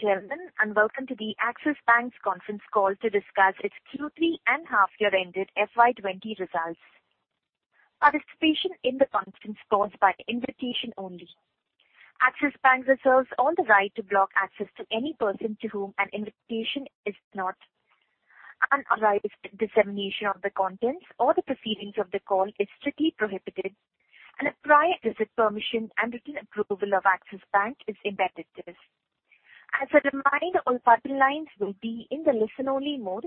Good day, ladies and gentlemen, and welcome to the Axis Bank's conference call to discuss its Q3 and half year ended FY20 results. Participation in the conference call is by invitation only. Axis Bank reserves all the right to block access to any person to whom an invitation is not... unauthorized dissemination of the contents or the proceedings of the call is strictly prohibited, and a prior written permission and written approval of Axis Bank is imperative. As a reminder, all party lines will be in the listen-only mode,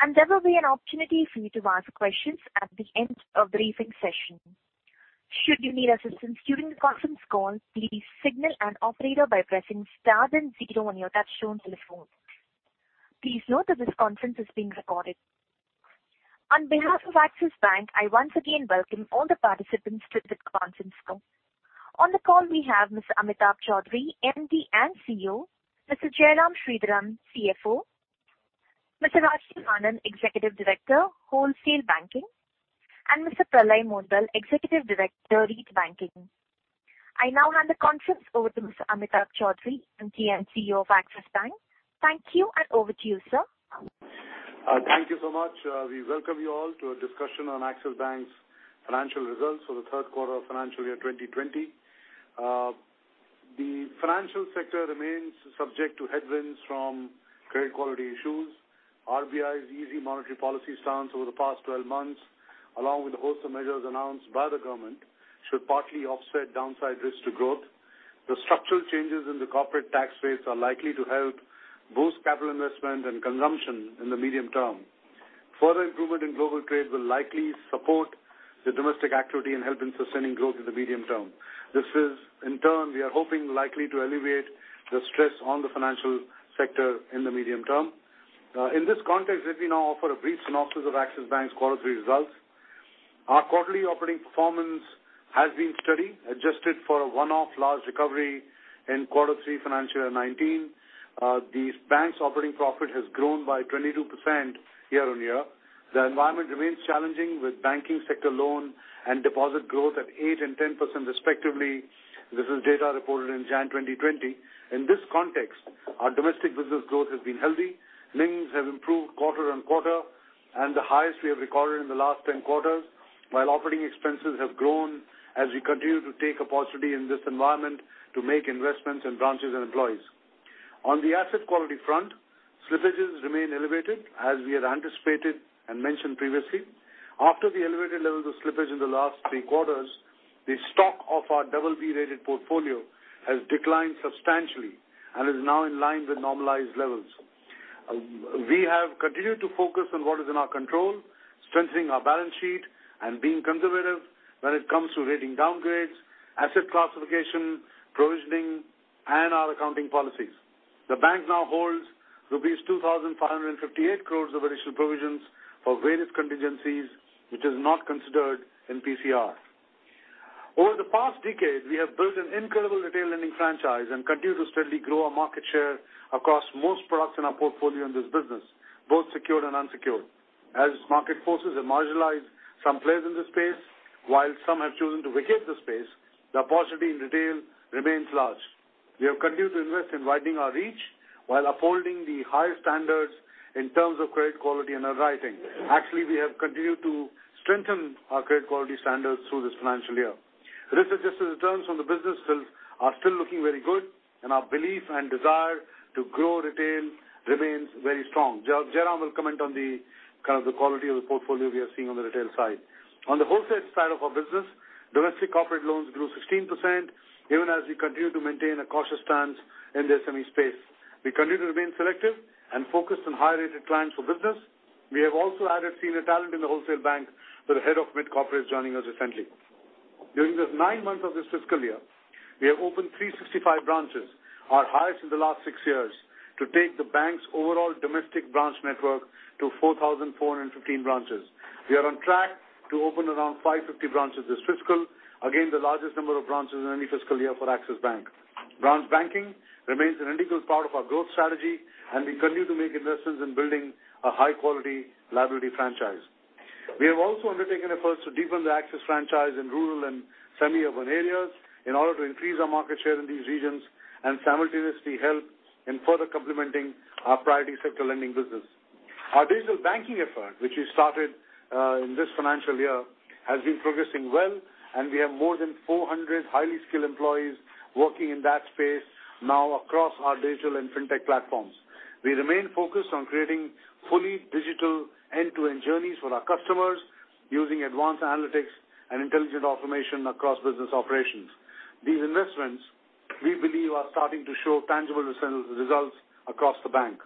and there will be an opportunity for you to ask questions at the end of briefing session. Should you need assistance during the conference call, please signal an operator by pressing star then zero on your touchtone telephone. Please note that this conference is being recorded. On behalf of Axis Bank, I once again welcome all the participants to this conference call. On the call, we have Mr. Amitabh Chaudhry, MD and CEO, Mr. Jairam Sridharan, CFO, Mr. Rajiv Anand, Executive Director, Wholesale Banking, and Mr. Pralay Mondal, Executive Director, Retail Banking. I now hand the conference over to Mr. Amitabh Chaudhry, MD and CEO of Axis Bank. Thank you, and over to you, sir. Thank you so much. We welcome you all to a discussion on Axis Bank's financial results for the Q3 of financial year 2020. The financial sector remains subject to headwinds from credit quality issues. RBI's easy monetary policy stance over the past 12 months, along with a host of measures announced by the government, should partly offset downside risks to growth. The structural changes in the corporate tax rates are likely to help boost capital investment and consumption in the medium term. Further improvement in global trade will likely support the domestic activity and help in sustaining growth in the medium term. This is, in turn, we are hoping, likely to alleviate the stress on the financial sector in the medium term. In this context, let me now offer a brief synopsis of Axis Bank's quarterly results. Our quarterly operating performance has been steady, adjusted for a one-off large recovery in quarter three, financial year 2019. The bank's operating profit has grown by 22% year-on-year. The environment remains challenging, with banking sector loan and deposit growth at 8% and 10%, respectively. This is data reported in January 2020. In this context, our domestic business growth has been healthy. NIMs have improved quarter-on-quarter and the highest we have recorded in the last 10 quarters, while operating expenses have grown as we continue to take an opportunity in this environment to make investments in branches and employees. On the asset quality front, slippages remain elevated, as we had anticipated and mentioned previously. After the elevated levels of slippage in the last 3 quarters, the stock of our BB-rated portfolio has declined substantially and is now in line with normalized levels. We have continued to focus on what is in our control, strengthening our balance sheet and being conservative when it comes to rating downgrades, asset classification, provisioning, and our accounting policies. The bank now holds rupees 2,558 crore of additional provisions for various contingencies, which is not considered in PCR. Over the past decade, we have built an incredible retail lending franchise and continue to steadily grow our market share across most products in our portfolio in this business, both secured and unsecured. As market forces have marginalized some players in this space, while some have chosen to vacate the space, the paucity in retail remains large. We have continued to invest in widening our reach while upholding the high standards in terms of credit quality and underwriting. Actually, we have continued to strengthen our credit quality standards through this financial year. Risk-adjusted returns on the business still are still looking very good, and our belief and desire to grow retail remains very strong. Jairam will comment on the kind of the quality of the portfolio we are seeing on the retail side. On the wholesale side of our business, domestic corporate loans grew 16%, even as we continue to maintain a cautious stance in the SME space. We continue to remain selective and focused on high-rated clients for business. We have also added senior talent in the wholesale bank, with the head of mid-corporate joining us recently. During the 9 months of this fiscal year, we have opened 365 branches, our highest in the last six years, to take the bank's overall domestic branch network to 4,415 branches. We are on track to open around 550 branches this fiscal, again, the largest number of branches in any fiscal year for Axis Bank. Branch banking remains an integral part of our growth strategy, and we continue to make investments in building a high-quality liability franchise. We have almost also undertaken efforts to deepen the Axis franchise in rural and semi-urban areas in order to increase our market share in these regions and simultaneously help in further complementing our priority sector lending business. Our digital banking effort, which we started in this financial year, has been progressing well, and we have more than 400 highly skilled employees working in that space now across our digital and fintech platforms. We remain focused on creating fully digital end-to-end journeys for our customers, using advanced analytics and intelligent automation across business operations. These investments, we believe, are starting to show tangible results across the bank.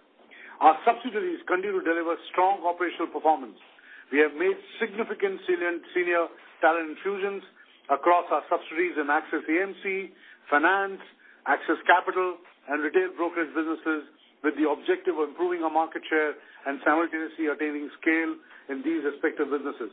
Our subsidiaries continue to deliver strong operational performance. We have made significant senior talent infusions across our subsidiaries in Axis AMC, Finance, Axis Capital, and retail brokerage businesses, with the objective of improving our market share and simultaneously attaining scale in these respective businesses.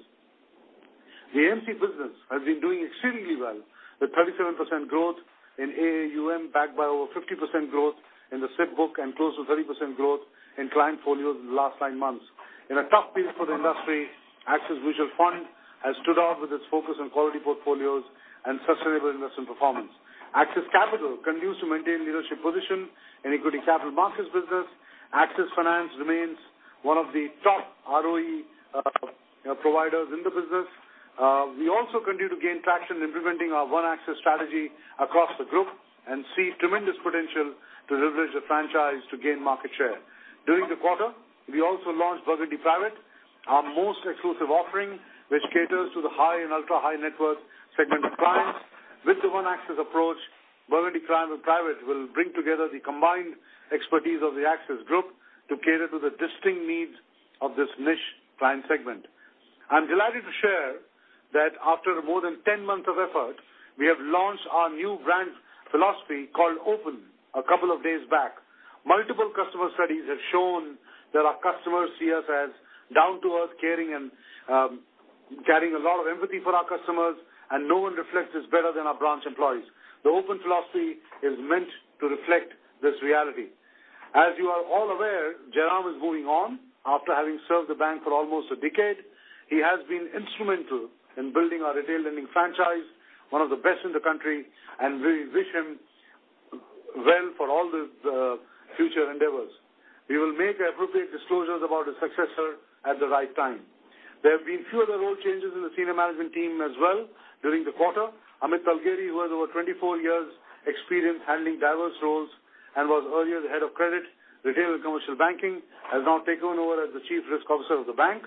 The AMC business has been doing extremely well, with 37% growth in AUM, backed by over 50% growth in the SIP book and close to 30% growth in client folios in the last nine months.... In a tough period for the industry, Axis Mutual Fund has stood out with its focus on quality portfolios and sustainable investment performance. Axis Capital continues to maintain leadership position in equity capital markets business. Axis Finance remains one of the top ROE providers in the business. We also continue to gain traction in implementing our One Axis strategy across the group and see tremendous potential to leverage the franchise to gain market share. During the quarter, we also launched Burgundy Private, our most exclusive offering, which caters to the high and ultra-high net worth segment of clients. With the One Axis approach, Burgundy Private will bring together the combined expertise of the Axis Group to cater to the distinct needs of this niche client segment. I'm delighted to share that after more than 10 months of effort, we have launched our new brand philosophy called Open a couple of days back. Multiple customer studies have shown that our customers see us as down to earth, caring, and carrying a lot of empathy for our customers, and no one reflects this better than our branch employees. The Open philosophy is meant to reflect this reality. As you are all aware, Jairam is moving on after having served the bank for almost a decade. He has been instrumental in building our retail lending franchise, one of the best in the country, and we wish him well for all his future endeavors. We will make appropriate disclosures about his successor at the right time. There have been few other role changes in the senior management team as well during the quarter. Amit Talgeri, who has over 24 years experience handling diverse roles and was earlier the Head of Credit, Retail and Commercial Banking, has now taken over as the Chief Risk Officer of the bank.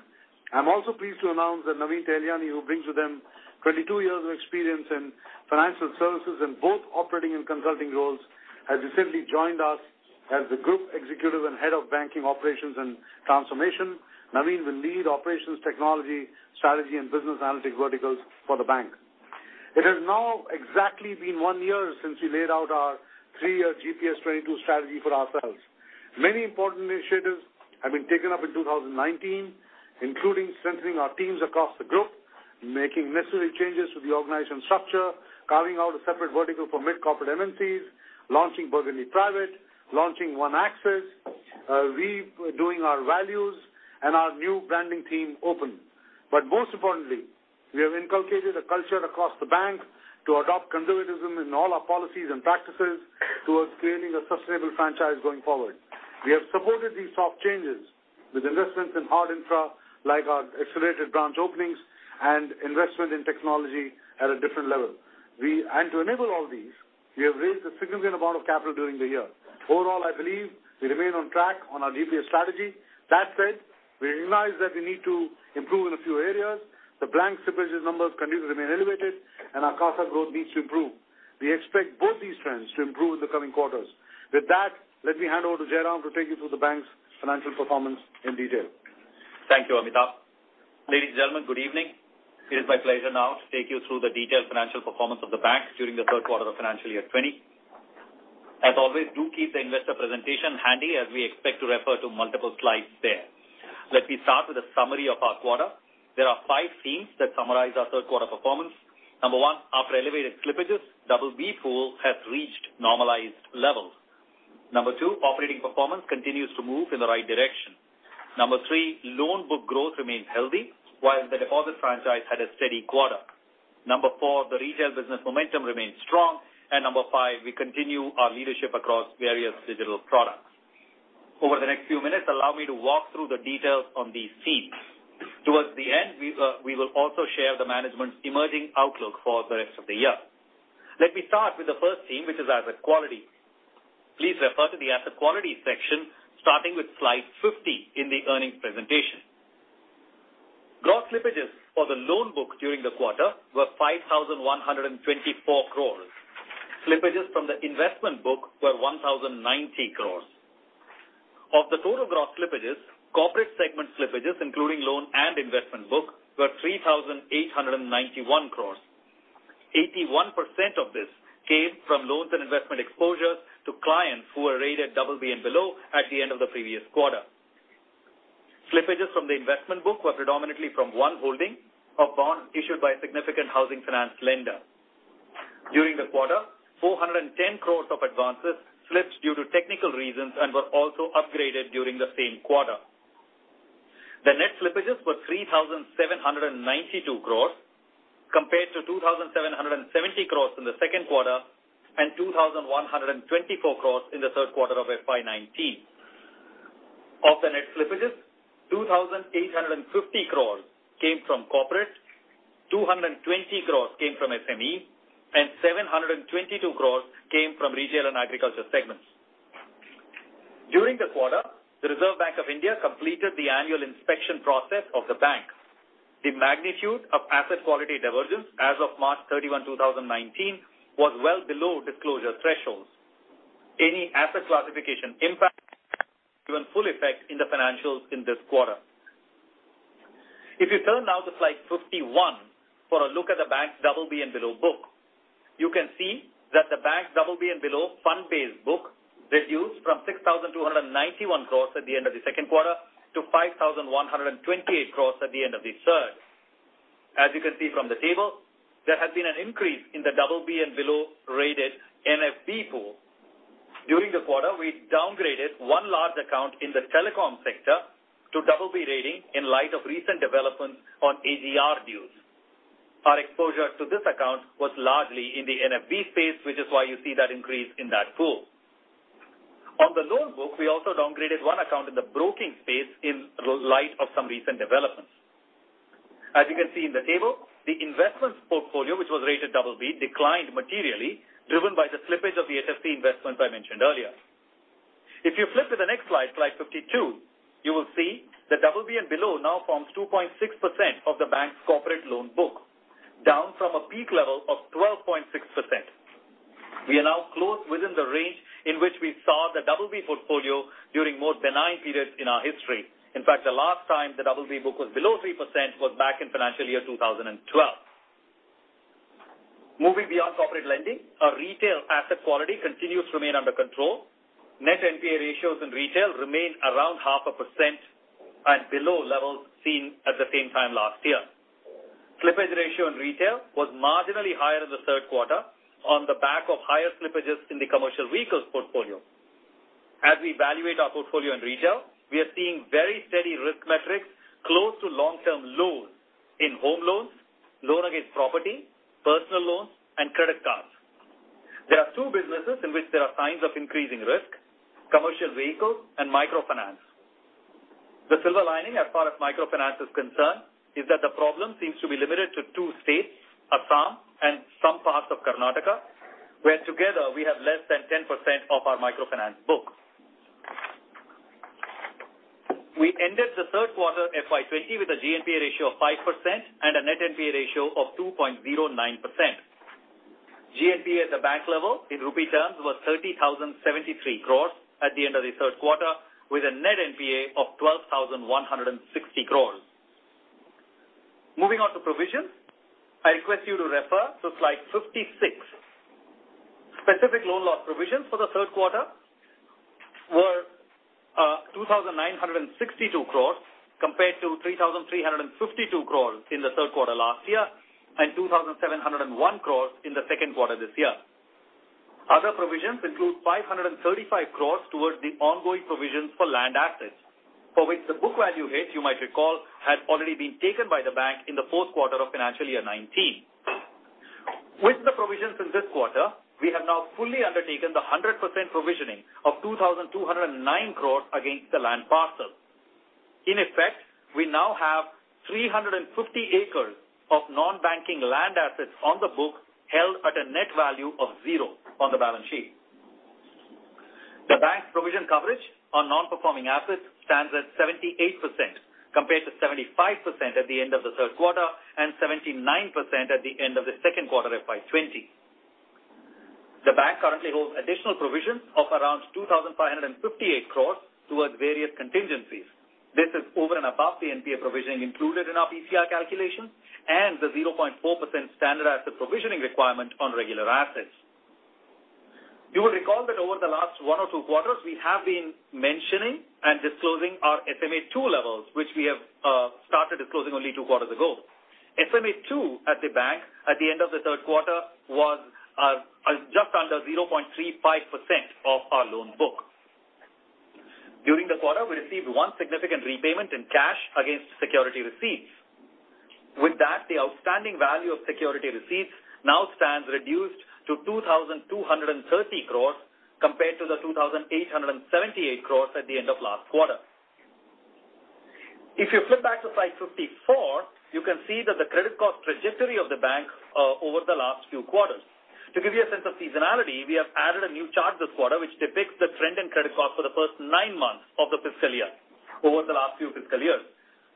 I'm also pleased to announce that Naveen Tahilyani, who brings with him 22 years of experience in financial services in both operating and consulting roles, has recently joined us as the Group Executive and Head of Banking Operations and Transformation. Naveen will lead operations, technology, strategy, and business analytics verticals for the bank. It has now exactly been one year since we laid out our three-year GPS 2022 strategy for ourselves. Many important initiatives have been taken up in 2019, including centering our teams across the group, making necessary changes to the organization structure, carving out a separate vertical for mid-corporate MNCs, launching Burgundy Private, launching One Axis, redoing our values, and our new branding theme, Open. But most importantly, we have inculcated a culture across the bank to adopt conservatism in all our policies and practices towards creating a sustainable franchise going forward. We have supported these soft changes with investments in hard infra, like our accelerated branch openings and investment in technology at a different level. And to enable all these, we have raised a significant amount of capital during the year. Overall, I believe we remain on track on our GPS strategy. That said, we realize that we need to improve in a few areas. The slippage numbers continue to remain elevated, and our CASA growth needs to improve. We expect both these trends to improve in the coming quarters. With that, let me hand over to Jairam to take you through the bank's financial performance in detail. Thank you, Amitabh. Ladies and gentlemen, good evening. It is my pleasure now to take you through the detailed financial performance of the bank during the Q3 of financial year 20. As always, do keep the investor presentation handy, as we expect to refer to multiple slides there. Let me start with a summary of our quarter. There are five themes that summarize our Q3 performance. Number 1, after elevated slippages, BB pool has reached normalized levels. Number 2, operating performance continues to move in the right direction. Number 3, loan book growth remains healthy, while the deposit franchise had a steady quarter. Number 4, the retail business momentum remains strong. And number 5, we continue our leadership across various digital products. Over the next few minutes, allow me to walk through the details on these themes. Towards the end, we, we will also share the management's emerging outlook for the rest of the year. Let me start with the first theme, which is asset quality. Please refer to the asset quality section, starting with slide 50 in the earnings presentation. Gross slippages for the loan book during the quarter were 5,124 crore. Slippages from the investment book were 1,090 crore. Of the total gross slippages, corporate segment slippages, including loan and investment book, were 3,891 crore. 81% of this came from loans and investment exposures to clients who were rated BB and below at the end of the previous quarter. Slippages from the investment book were predominantly from one holding of bonds issued by a significant housing finance lender. During the quarter, 410 crore of advances slipped due to technical reasons and were also upgraded during the same quarter. The net slippages were 3,792 crore, compared to 2,770 crore in the Q2 and 2,124 crore in the Q3 of FY 2019. Of the net slippages, 2,850 crore came from corporate, 220 crore came from SME, and 722 crore came from retail and agriculture segments. During the quarter, the Reserve Bank of India completed the annual inspection process of the bank. The magnitude of asset quality divergence as of March 31, 2019, was well below disclosure thresholds. Any asset classification impact given full effect in the financials in this quarter. If you turn now to slide 51 for a look at the bank's BB and below book, you can see that the bank's BB and below fund-based book reduced from 6,291 crore at the end of the Q2 to 5,128 crore at the end of the Q3. As you can see from the table, there has been an increase in the BB and below rated NFB pool. During the quarter, we downgraded one large account in the telecom sector to BB rating in light of recent developments on AGR dues. Our exposure to this account was largely in the NFB space, which is why you see that increase in that pool. On the loan book, we also downgraded one account in the broking space in light of some recent developments. As you can see in the table, the investments portfolio, which was rated BB, declined materially, driven by the slippage of the HFC investments I mentioned earlier. If you flip to the next slide, slide 52, you will see the BB and below now forms 2.6% of the bank's corporate loan book, down from a peak level of 12.6%. We are now close within the range in which we saw the BB portfolio during more benign periods in our history. In fact, the last time the BB book was below 3% was back in financial year 2012. Moving beyond corporate lending, our retail asset quality continues to remain under control. Net NPA ratios in retail remain around 0.5% at below levels seen at the same time last year. Slippage ratio in retail was marginally higher in the Q3 on the back of higher slippages in the commercial vehicles portfolio. As we evaluate our portfolio in retail, we are seeing very steady risk metrics close to long-term lows in home loans, loan against property, personal loans, and credit cards. There are two businesses in which there are signs of increasing risk: commercial vehicles and microfinance. The silver lining, as far as microfinance is concerned, is that the problem seems to be limited to two states, Assam and some parts of Karnataka, where together we have less than 10% of our microfinance book. We ended the Q3 FY 2020 with a GNPA ratio of 5% and a net NPA ratio of 2.09%. GNPA at the bank level in rupee terms was 30,073 crore at the end of the Q3, with a net NPA of 12,160 crore. Moving on to provisions, I request you to refer to slide 56. Specific loan loss provisions for the Q3 were 2,962 crore compared to 3,352 crore in the Q3 last year, and 2,701 crore in the Q2 this year. Other provisions include 535 crore towards the ongoing provisions for land assets, for which the book value hit, you might recall, had already been taken by the bank in the Q4 of financial year 2019. With the provisions in this quarter, we have now fully undertaken the 100% provisioning of 2,209 crore against the land parcel. In effect, we now have 350 acres of non-banking land assets on the book, held at a net value of zero on the balance sheet. The bank's provision coverage on non-performing assets stands at 78%, compared to 75% at the end of the Q3 and 79% at the end of the Q2 of FY 2020. The bank currently holds additional provisions of around 2,558 crore towards various contingencies. This is over and above the NPA provisioning included in our PCR calculations and the 0.4% standard asset provisioning requirement on regular assets. You will recall that over the last one or two quarters, we have been mentioning and disclosing our SMA-2 levels, which we have started disclosing only two quarters ago. SMA-2 at the bank at the end of the Q3 was just under 0.35% of our loan book. During the quarter, we received one significant repayment in cash against security receipts. With that, the outstanding value of security receipts now stands reduced to 2,230 crore compared to the 2,878 crore at the end of last quarter. If you flip back to slide 54, you can see that the credit cost trajectory of the bank over the last few quarters. To give you a sense of seasonality, we have added a new chart this quarter, which depicts the trend in credit costs for the first nine months of the fiscal year, over the last few fiscal years.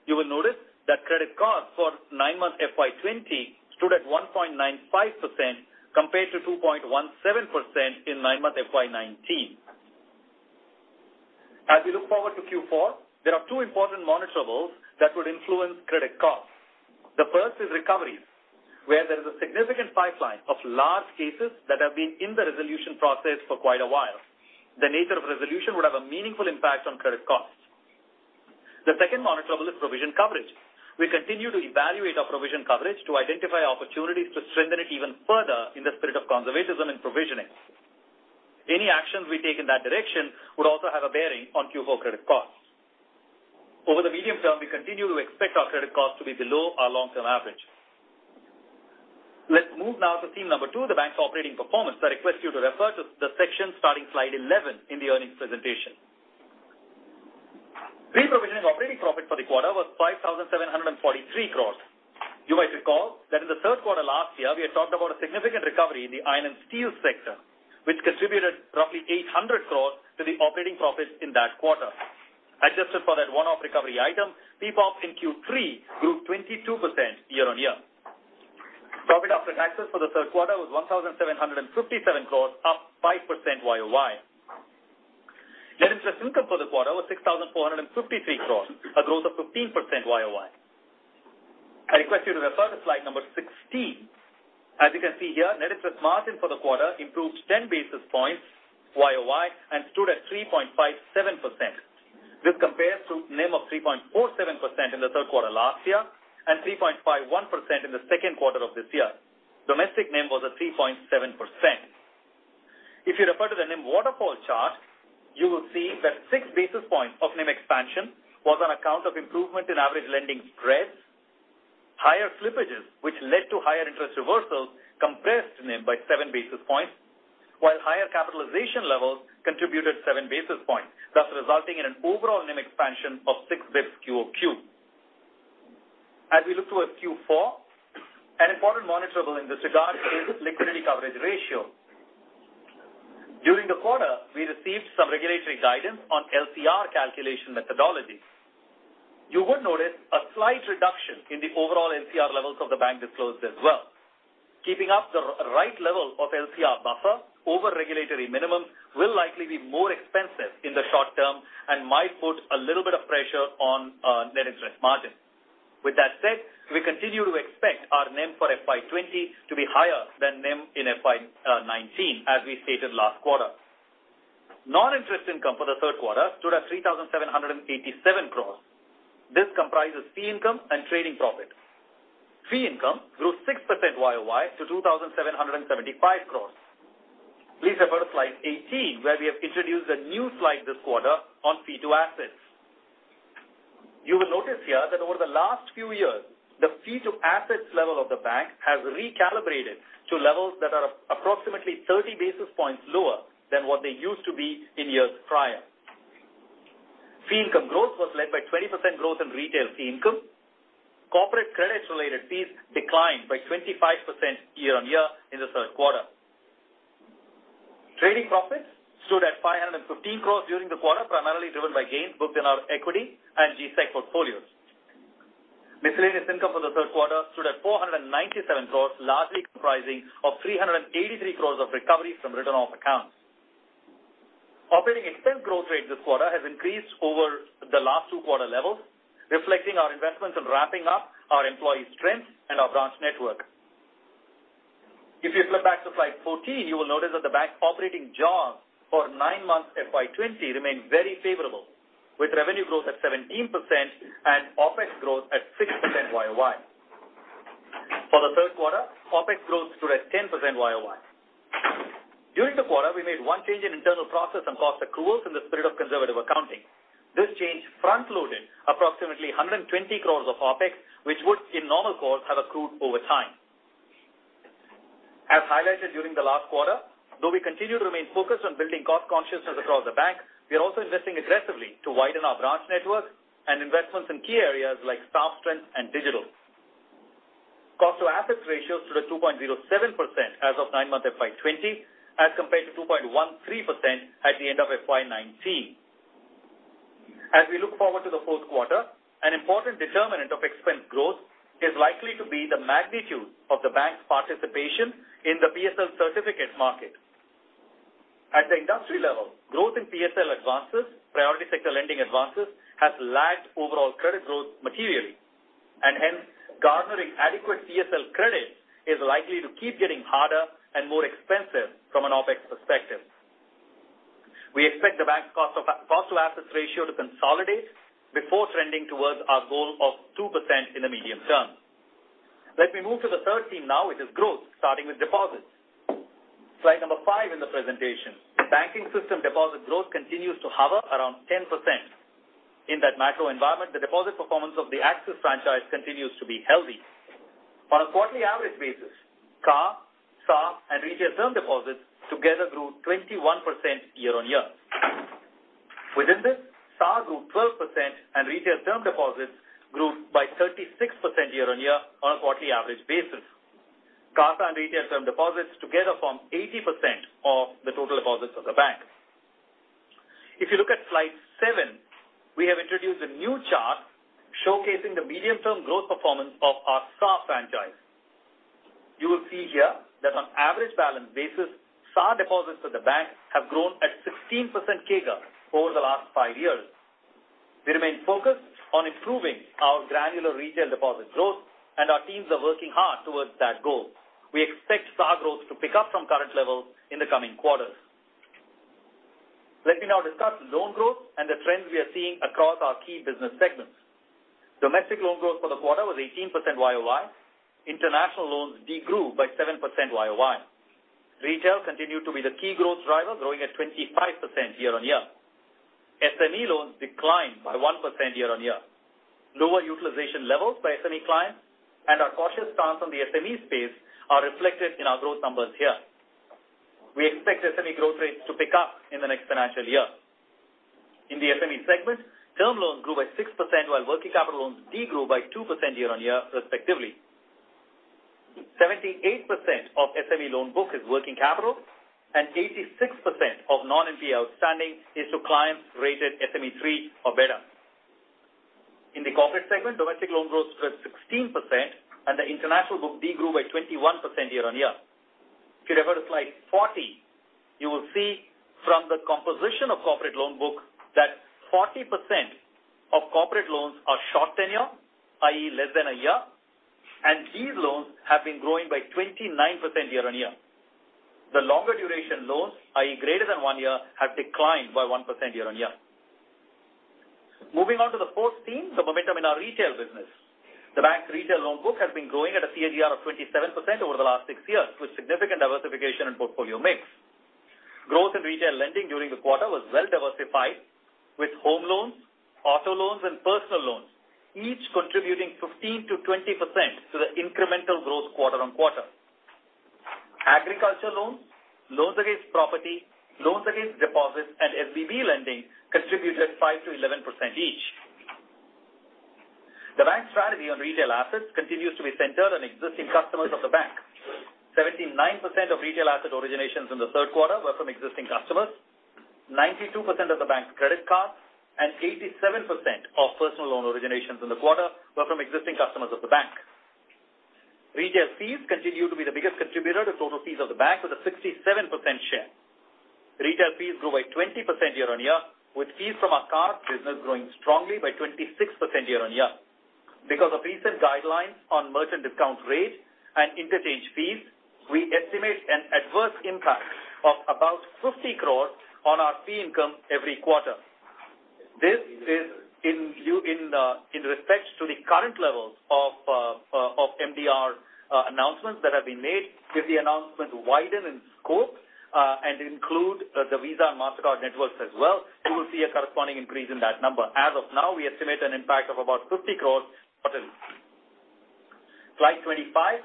You will notice that credit costs for nine months FY 2020 stood at 1.95%, compared to 2.17% in nine months FY 2019. As we look forward to Q4, there are two important monitorables that would influence credit costs. The first is recoveries, where there is a significant pipeline of large cases that have been in the resolution process for quite a while. The nature of resolution would have a meaningful impact on credit costs. The second monitorable is provision coverage. We continue to evaluate our provision coverage to identify opportunities to strengthen it even further in the spirit of conservatism and provisioning. Any actions we take in that direction would also have a bearing on Q4 credit costs. Over the medium term, we continue to expect our credit costs to be below our long-term average. Let's move now to theme number 2, the bank's operating performance. I request you to refer to the section starting slide 11 in the earnings presentation. Pre-provisioning operating profit for the quarter was 5,743 crore. You might recall that in the Q3 last year, we had talked about a significant recovery in the iron and steel sector, which contributed roughly 800 crore to the operating profit in that quarter. Adjusted for that one-off recovery item, PPOP in Q3 grew 22% year-over-year. Profit after taxes for the Q3 was 1,757 crore, up 5% YOY. Net interest income for the quarter was 6,453 crore, a growth of 15% YOY. I request you to refer to slide number 16. As you can see here, net interest margin for the quarter improved 10 basis points YOY and stood at 3.57%. This compares to NIM of 3.47% in the Q3 last year and 3.51% in the Q2 of this year. Domestic NIM was at 3.7%. If you refer to the NIM waterfall chart, you will see that 6 basis points of NIM expansion was on account of improvement in average lending spreads. Higher slippages, which led to higher interest reversals, compressed NIM by 7 basis points, while higher capitalization levels contributed 7 basis points, thus resulting in an overall NIM expansion of 6 basis points QOQ. As we look towards Q4, an important monitorable in this regard is liquidity coverage ratio. During the quarter, we received some regulatory guidance on LCR calculation methodology. You will notice a slight reduction in the overall LCR levels of the bank disclosed as well. Keeping up the right level of LCR buffer over regulatory minimum will likely be more expensive in the short term and might put a little bit of pressure on net interest margin. With that said, we continue to expect our NIM for FY 20 to be higher than NIM in FY 19, as we stated last quarter. Non-interest income for the Q3 stood at 3,787 crore. This comprises fee income and trading profit. Fee income grew 6% YOY to 2,775 crore. Please refer to slide 18, where we have introduced a new slide this quarter on fee to assets. You will notice here that over the last few years, the fee to assets level of the bank has recalibrated to levels that are approximately 30 basis points lower than what they used to be in years prior. Fee income growth was led by 20% growth in retail fee income. Corporate credits-related fees declined by 25% year-on-year in the Q3. Trading profits stood at 515 crore during the quarter, primarily driven by gains booked in our equity and G-Sec portfolios. Miscellaneous income for the Q3 stood at 497 crore, largely comprising of 383 crore of recoveries from written-off accounts. Operating expense growth rate this quarter has increased over the last two quarter levels, reflecting our investments in ramping up our employee strength and our branch network. If you flip back to slide 14, you will notice that the bank operating jaws for nine months FY 2020 remain very favorable, with revenue growth at 17% and OpEx growth at 6% YOY. For the Q3, OpEx growth stood at 10% YOY. During the quarter, we made one change in internal process and cost accruals in the spirit of conservative accounting. This change front-loaded approximately 120 crore of OpEx, which would, in normal course, have accrued over time. As highlighted during the last quarter, though we continue to remain focused on building cost consciousness across the bank, we are also investing aggressively to widen our branch network and investments in key areas like staff strength and digital. Cost to assets ratio stood at 2.07% as of nine months FY 2020, as compared to 2.13% at the end of FY 2019. As we look forward to the Q4, an important determinant of expense growth is likely to be the magnitude of the bank's participation in the PSL certificate market. At the industry level, growth in PSL advances, priority sector lending advances, has lagged overall credit growth materially, and hence, garnering adequate PSL credit is likely to keep getting harder and more expensive from an OpEx perspective. We expect the bank's cost-to-assets ratio to consolidate before trending towards our goal of 2% in the medium term. Let me move to the third theme now, which is growth, starting with deposits. Slide number 5 in the presentation. The banking system deposit growth continues to hover around 10%. In that macro environment, the deposit performance of the Axis franchise continues to be healthy. On a quarterly average basis, CASA, SA and retail term deposits together grew 21% year-on-year. Within this, SA grew 12% and retail term deposits grew by 36% year-on-year on a quarterly average basis. CASA and retail term deposits together form 80% of the total deposits of the bank. If you look at slide 7, we have introduced a new chart showcasing the medium-term growth performance of our SA franchise. You will see here that on average balance basis, SA deposits of the bank have grown at 16% CAGR over the last 5 years. We remain focused on improving our granular retail deposit growth, and our teams are working hard towards that goal. We expect SA growth to pick up from current levels in the coming quarters. Let me now discuss loan growth and the trends we are seeing across our key business segments. Domestic loan growth for the quarter was 18% year-over-year. International loans degrew by 7% year-over-year. Retail continued to be the key growth driver, growing at 25% year-on-year. SME loans declined by 1% year-on-year. Lower utilization levels by SME clients and our cautious stance on the SME space are reflected in our growth numbers here. We expect SME growth rates to pick up in the next financial year. In the SME segment, term loans grew by 6%, while working capital loans degrew by 2% year-on-year, respectively. 78% of SME loan book is working capital, and 86% of non-NPA outstanding is to clients rated SME 3 or better. In the corporate segment, domestic loan growth stood at 16%, and the international book degrew by 21% year-on-year. If you refer to slide 40, you will see from the composition of corporate loan book, that 40% of corporate loans are short tenure, i.e., less than a year, and these loans have been growing by 29% year-on-year. The longer duration loans, i.e., greater than one year, have declined by 1% year-on-year. Moving on to the fourth theme, the momentum in our retail business. The bank's retail loan book has been growing at a CAGR of 27% over the last 6 years, with significant diversification in portfolio mix. Growth in retail lending during the quarter was well diversified, with home loans, auto loans, and personal loans, each contributing 15%-20% to the incremental growth quarter-on-quarter. Agriculture loans, loans against property, loans against deposits, and SBB lending contributed 5%-11% each. The bank's strategy on retail assets continues to be centered on existing customers of the bank. 79% of retail asset originations in the Q3 were from existing customers, 92% of the bank's credit cards, and 87% of personal loan originations in the quarter were from existing customers of the bank. Retail fees continue to be the biggest contributor to total fees of the bank, with a 67% share. Retail fees grew by 20% year-on-year, with fees from our card business growing strongly by 26% year-on-year. Because of recent guidelines on merchant discount rate and interchange fees, we estimate an adverse impact of about 50 crore on our fee income every quarter. This is in view of the current levels of MDR announcements that have been made. If the announcement widen in scope and include the Visa and Mastercard networks as well, we will see a corresponding increase in that number. As of now, we estimate an impact of about 50 crore quarterly. Slide 25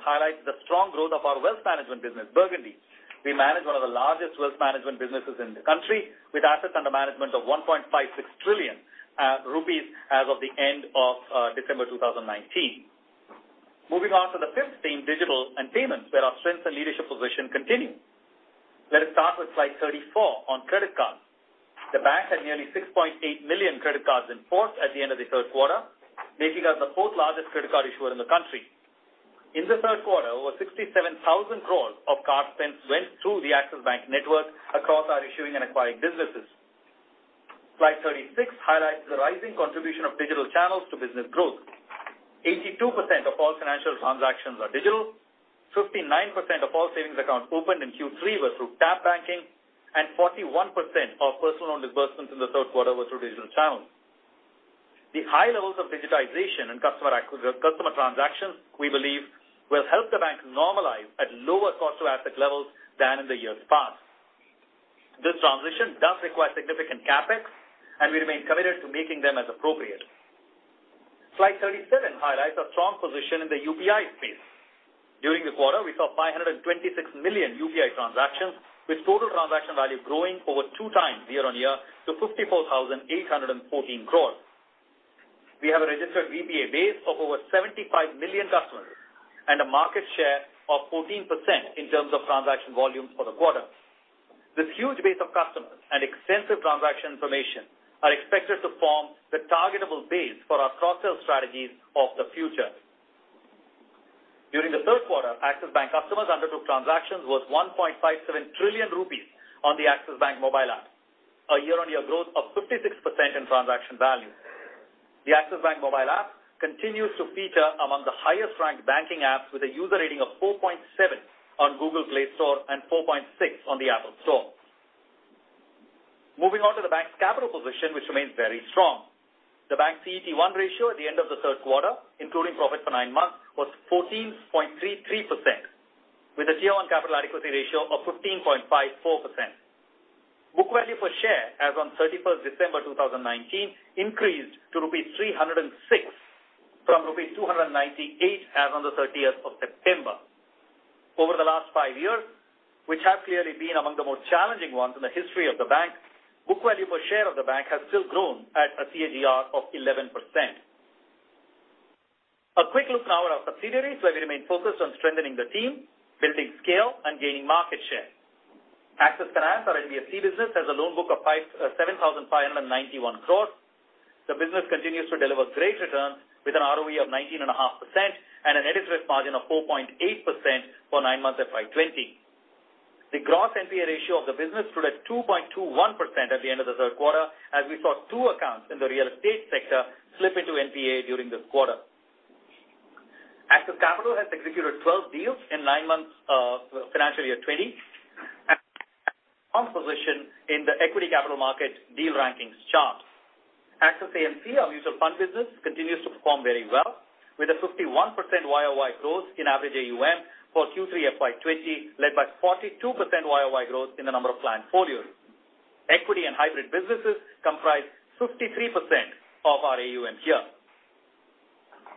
highlights the strong growth of our wealth management business, Burgundy. We manage one of the largest wealth management businesses in the country, with assets under management of 1.56 trillion rupees as of the end of December 2019. Moving on to the fifth theme, digital and payments, where our strength and leadership position continue. Let us start with slide 34 on credit cards. The bank had nearly 6.8 million credit cards in force at the end of the Q3, making us the fourth largest credit card issuer in the country. In the Q3, over 67,000 crore of card spends went through the Axis Bank network across our issuing and acquiring businesses. Slide 36 highlights the rising contribution of digital channels to business growth. 82% of all financial transactions are digital, 59% of all savings accounts opened in Q3 were through Tab banking, and 41% of personal loan disbursements in the Q3 were through digital channels. The high levels of digitization and customer customer transactions, we believe, will help the bank normalize at lower cost to asset levels than in the years past. This transition does require significant CapEx, and we remain committed to making them as appropriate. Slide 37 highlights our strong position in the UPI space. During the quarter, we saw 526 million UPI transactions, with total transaction value growing over 2 times year-on-year to 54,814 crore. We have a registered VPA base of over 75 million customers and a market share of 14% in terms of transaction volume for the quarter. This huge base of customers and extensive transaction information are expected to form the targetable base for our cross-sell strategies of the future. During the Q3, Axis Bank customers undertook transactions worth 1.57 trillion rupees on the Axis Bank mobile app, a year-on-year growth of 56% in transaction value. The Axis Bank mobile app continues to feature among the highest-ranked banking apps, with a user rating of 4.7 on Google Play Store and 4.6 on the Apple Store. Moving on to the bank's capital position, which remains very strong. The bank's CET1 ratio at the end of the Q3, including profit for nine months, was 14.33%, with a Tier I capital adequacy ratio of 15.54%. Book value per share as on thirty-first December 2019, increased to rupees 306, from rupees 298 as on the thirtieth of September. Over the last 5 years, which have clearly been among the most challenging ones in the history of the bank, book value per share of the bank has still grown at a CAGR of 11%. A quick look now at our subsidiaries, where we remain focused on strengthening the team, building scale, and gaining market share. Axis Finance, our NBFC business, has a loan book of 7,591 crore. The business continues to deliver great returns with an ROE of 19.5% and a net interest margin of 4.8% for nine months FY 2020. The gross NPA ratio of the business stood at 2.21% at the end of the Q3, as we saw 2 accounts in the real estate sector slip into NPA during this quarter. Axis Capital has executed 12 deals in 9 months of financial year 2020, and composition in the equity capital market deal rankings chart. Axis AMC, our mutual fund business, continues to perform very well, with a 51% YOY growth in average AUM for Q3 FY 2020, led by 42% YOY growth in the number of client portfolios. Equity and hybrid businesses comprise 53% of our AUM here.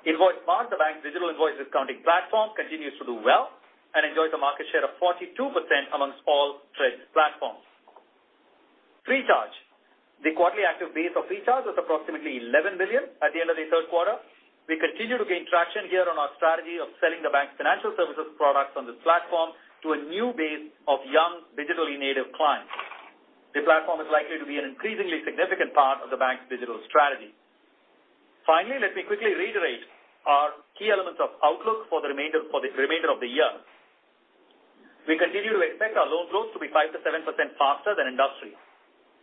Invoicemart, the bank's digital invoice discounting platform, continues to do well and enjoys a market share of 42% amongst all TReDS platforms. Freecharge, the quarterly active base of Freecharge was approximately 11 million at the end of the Q3. We continue to gain traction here on our strategy of selling the bank's financial services products on this platform to a new base of young, digitally native clients. The platform is likely to be an increasingly significant part of the bank's digital strategy. Finally, let me quickly reiterate our key elements of outlook for the remainder, for the remainder of the year. We continue to expect our loan growth to be 5%-7% faster than industry.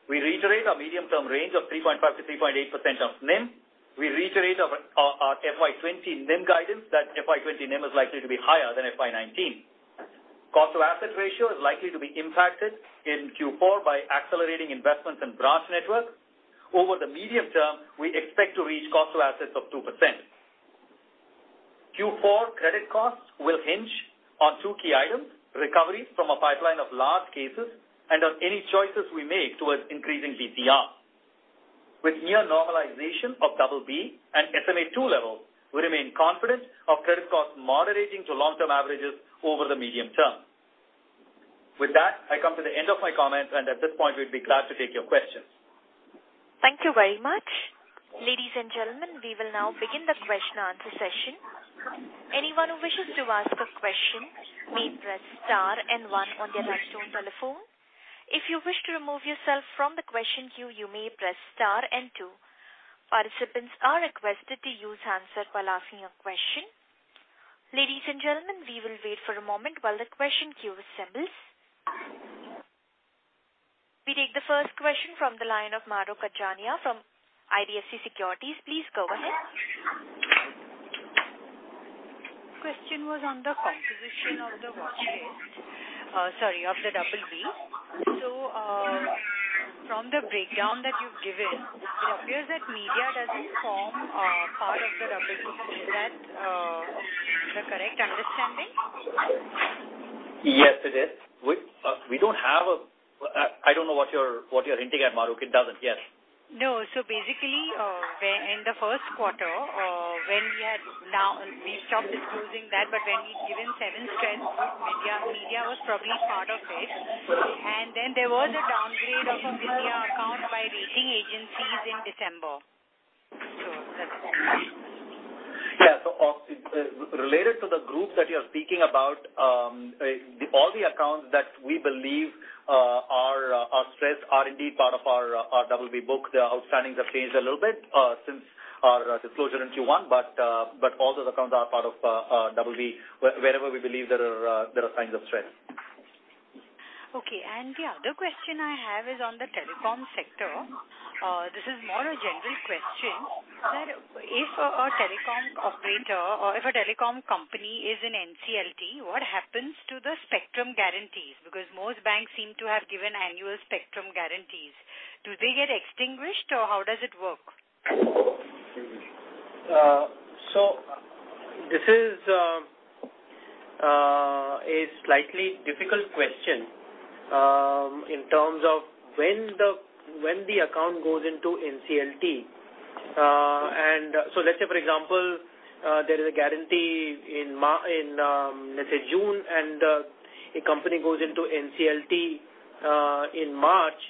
We reiterate our medium-term range of 3.5%-3.8% of NIM. We reiterate our, our FY 2020 NIM guidance, that FY 2020 NIM is likely to be higher than FY 2019. Cost to asset ratio is likely to be impacted in Q4 by accelerating investments in branch network. Over the medium term, we expect to reach cost to assets of 2%. Q4 credit costs will hinge on two key items, recoveries from a pipeline of large cases and on any choices we make towards increasing PCR. With near normalization of BB and SMA-2 levels, we remain confident of credit costs moderating to long-term averages over the medium term. With that, I come to the end of my comments, and at this point, we'd be glad to take your questions. Thank you very much. Ladies and gentlemen, we will now begin the question and answer session. Anyone who wishes to ask a question may press star and one on their telephone. If you wish to remove yourself from the question queue, you may press star and two. Participants are requested to use hands-free while asking a question. Ladies and gentlemen, we will wait for a moment while the question queue assembles. We take the first question from the line of Mahrukh Adajania from IDFC Securities. Please go ahead. Question was on the composition of the watch list, sorry, of the BB. So, from the breakdown that you've given, it appears that media doesn't form, part of the BB. Is that, the correct understanding? Yes, it is. We don't have a... I don't know what you're hinting at, Mahrukh. It doesn't. Yes. No. So basically, when in the Q1, when we had now we stopped disclosing that, but when we've given seven sectors, media, media was probably part of it. And then there was a downgrade of Idea account by rating agencies in December. So that's it. Yeah. So, related to the group that you're speaking about, all the accounts that we believe are stressed are indeed part of our BB book. The outstandings have changed a little bit since our disclosure in Q1, but all those accounts are part of our BB, wherever we believe there are signs of stress. Okay. And the other question I have is on the telecom sector. This is more a general question, that if a telecom operator or if a telecom company is in NCLT, what happens to the spectrum guarantees? Because most banks seem to have given annual spectrum guarantees. Do they get extinguished, or how does it work? So this is a slightly difficult question in terms of when the account goes into NCLT. So let's say, for example, there is a guarantee in, let's say, June, and a company goes into NCLT in March.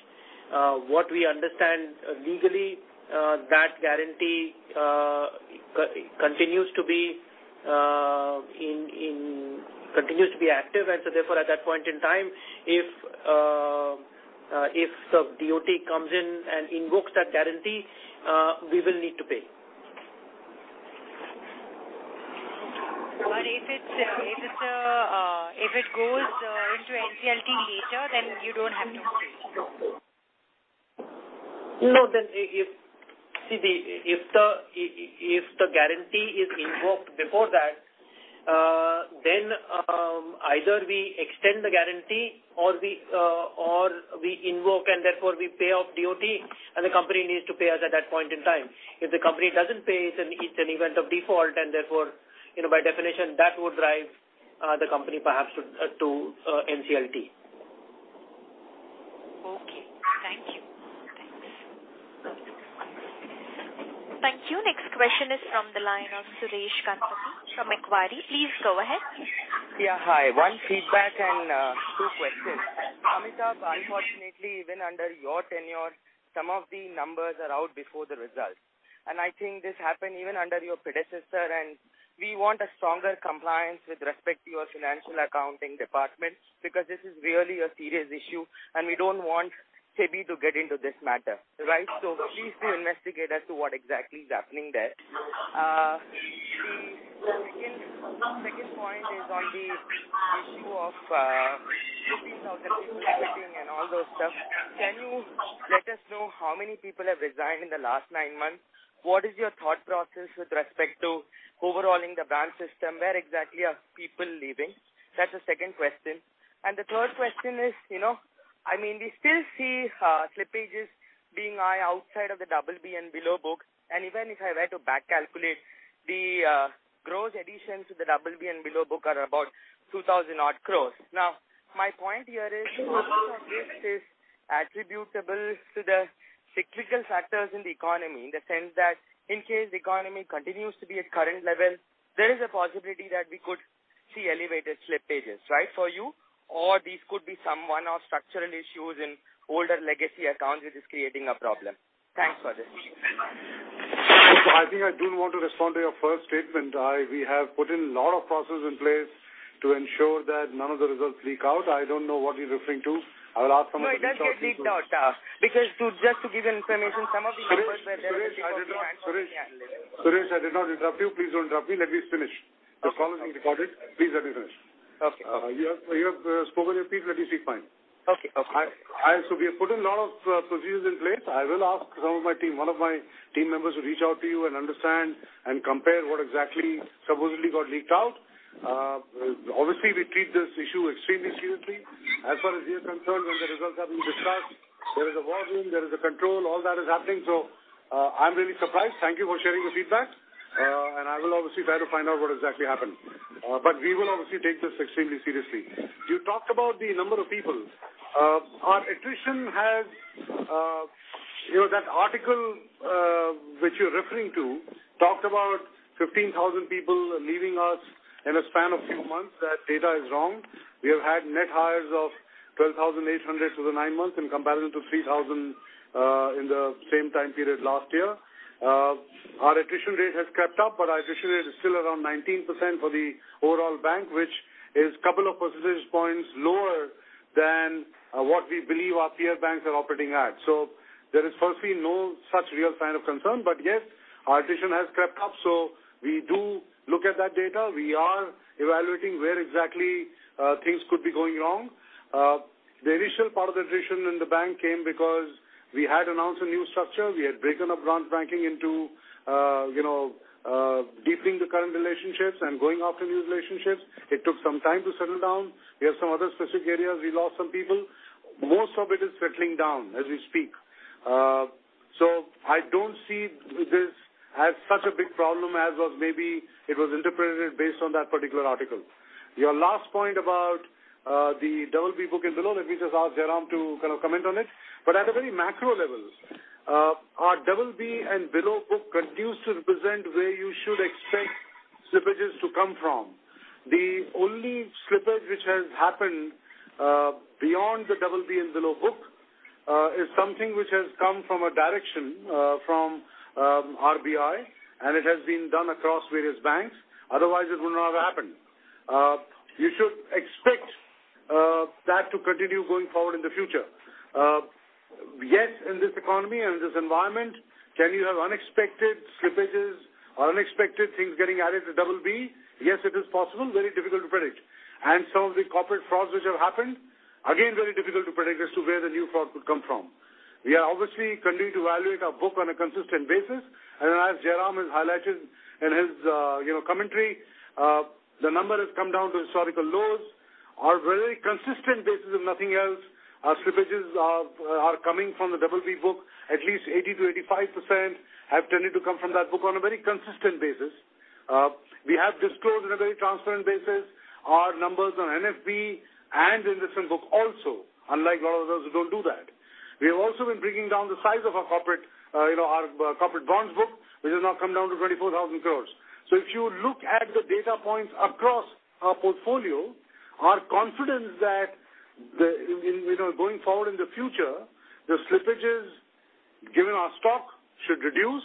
What we understand legally, that guarantee continues to be active, and so therefore, at that point in time, if the DoT comes in and invokes that guarantee, we will need to pay. But if it goes into NCLT later, then you don't have to pay? No, then if the guarantee is invoked before that, then either we extend the guarantee or we invoke, and therefore we pay off DoT, and the company needs to pay us at that point in time. If the company doesn't pay, it's an event of default, and therefore, you know, by definition, that would drive the company perhaps to NCLT. Okay. Thank you. Thank you. Next question is from the line of Suresh Ganapathy from Macquarie. Please go ahead. Yeah, hi. One feedback and two questions. Amitabh, unfortunately, even under your tenure, some of the numbers are out before the results, and I think this happened even under your predecessor, and we want a stronger compliance with respect to your financial accounting department, because this is really a serious issue, and we don't want SEBI to get into this matter, right? So please do investigate as to what exactly is happening there. The second, second point is on the issue of 15,000 people exiting and all those stuff. Can you let us know how many people have resigned in the last nine months? What is your thought process with respect to overhauling the branch system? Where exactly are people leaving? That's the second question. The third question is, you know, I mean, we still see slippages being high outside of the BB and below book, and even if I were to back calculate, the gross additions to the BB and below book are about 2,000-odd crore. Now, my point here is, this is attributable to the cyclical factors in the economy, in the sense that in case the economy continues to be at current level, there is a possibility that we could see elevated slippages, right, for you? Or these could be some one-off structural issues in older legacy accounts, which is creating a problem. Thanks for this. I think I do want to respond to your first statement. We have put in a lot of processes in place to ensure that none of the results leak out. I don't know what you're referring to. I'll ask some of the- No, it does get leaked out, because to, just to give you information, some of the numbers were- Suresh, Suresh, I did not... Suresh, Suresh, I did not interrupt you. Please don't interrupt me. Let me finish.... the call is being recorded. Please let me finish. Okay. You have spoken your piece, let me speak mine. Okay, okay. So we have put a lot of procedures in place. I will ask some of my team, one of my team members to reach out to you and understand and compare what exactly supposedly got leaked out. Obviously, we treat this issue extremely seriously. As far as we are concerned, when the results are being discussed, there is a war room, there is a control, all that is happening. So, I'm really surprised. Thank you for sharing your feedback, and I will obviously try to find out what exactly happened. But we will obviously take this extremely seriously. You talked about the number of people. Our attrition has, you know, that article, which you're referring to, talked about 15,000 people leaving us in a span of few months. That data is wrong. We have had net hires of 12,800 for the 9 months in comparison to 3,000 in the same time period last year. Our attrition rate has crept up, but our attrition rate is still around 19% for the overall bank, which is a couple of percentage points lower than what we believe our peer banks are operating at. So there is firstly no such real sign of concern, but yes, our attrition has crept up, so we do look at that data. We are evaluating where exactly things could be going wrong. The initial part of the attrition in the bank came because we had announced a new structure. We had broken up corporate banking into, you know, deepening the current relationships and going after new relationships. It took some time to settle down. We have some other specific areas, we lost some people. Most of it is settling down as we speak. So I don't see this as such a big problem as was maybe it was interpreted based on that particular article. Your last point about the BB book and below, let me just ask Jairam to kind of comment on it. But at a very macro level, our BB and below book continues to represent where you should expect slippages to come from. The only slippage which has happened beyond the BB and below book is something which has come from a direction from RBI, and it has been done across various banks. Otherwise, it would not have happened. You should expect that to continue going forward in the future. Yes, in this economy and in this environment, can you have unexpected slippages or unexpected things getting added to BB? Yes, it is possible, very difficult to predict. And some of the corporate frauds which have happened, again, very difficult to predict as to where the new fraud could come from. We are obviously continuing to evaluate our book on a consistent basis, and as Jairam has highlighted in his, you know, commentary, the number has come down to historical lows. On a very consistent basis, if nothing else, our slippages are coming from the BB book. At least 80%-85% have tended to come from that book on a very consistent basis. We have disclosed on a very transparent basis our numbers on NFB and in different book also, unlike a lot of others who don't do that. We have also been bringing down the size of our corporate, you know, our corporate bonds book, which has now come down to 24,000 crore. So if you look at the data points across our portfolio, our confidence that the, in, you know, going forward in the future, the slippages, given our stock should reduce,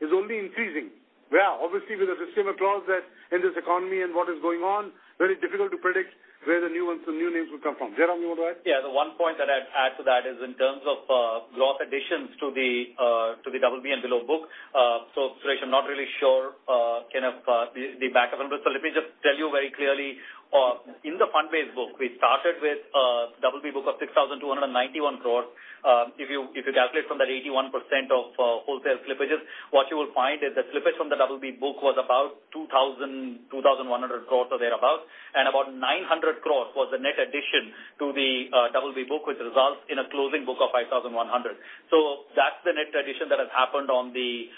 is only increasing. We are obviously with a disclaimer clause that in this economy and what is going on, very difficult to predict where the new ones, the new names will come from. Jairam, you want to add? Yeah, the one point that I'd add to that is in terms of growth additions to the BB and below book. So Suresh, I'm not really sure kind of the background. So let me just tell you very clearly, in the fund-based book, we started with a BB book of 6,291 crore. If you calculate from that 81% of wholesale slippages, what you will find is the slippage from the BB book was about two thousand one hundred crores or thereabout, and about 900 crore was the net addition to the BB book, which results in a closing book of 5,100. So that's the net addition that has happened on the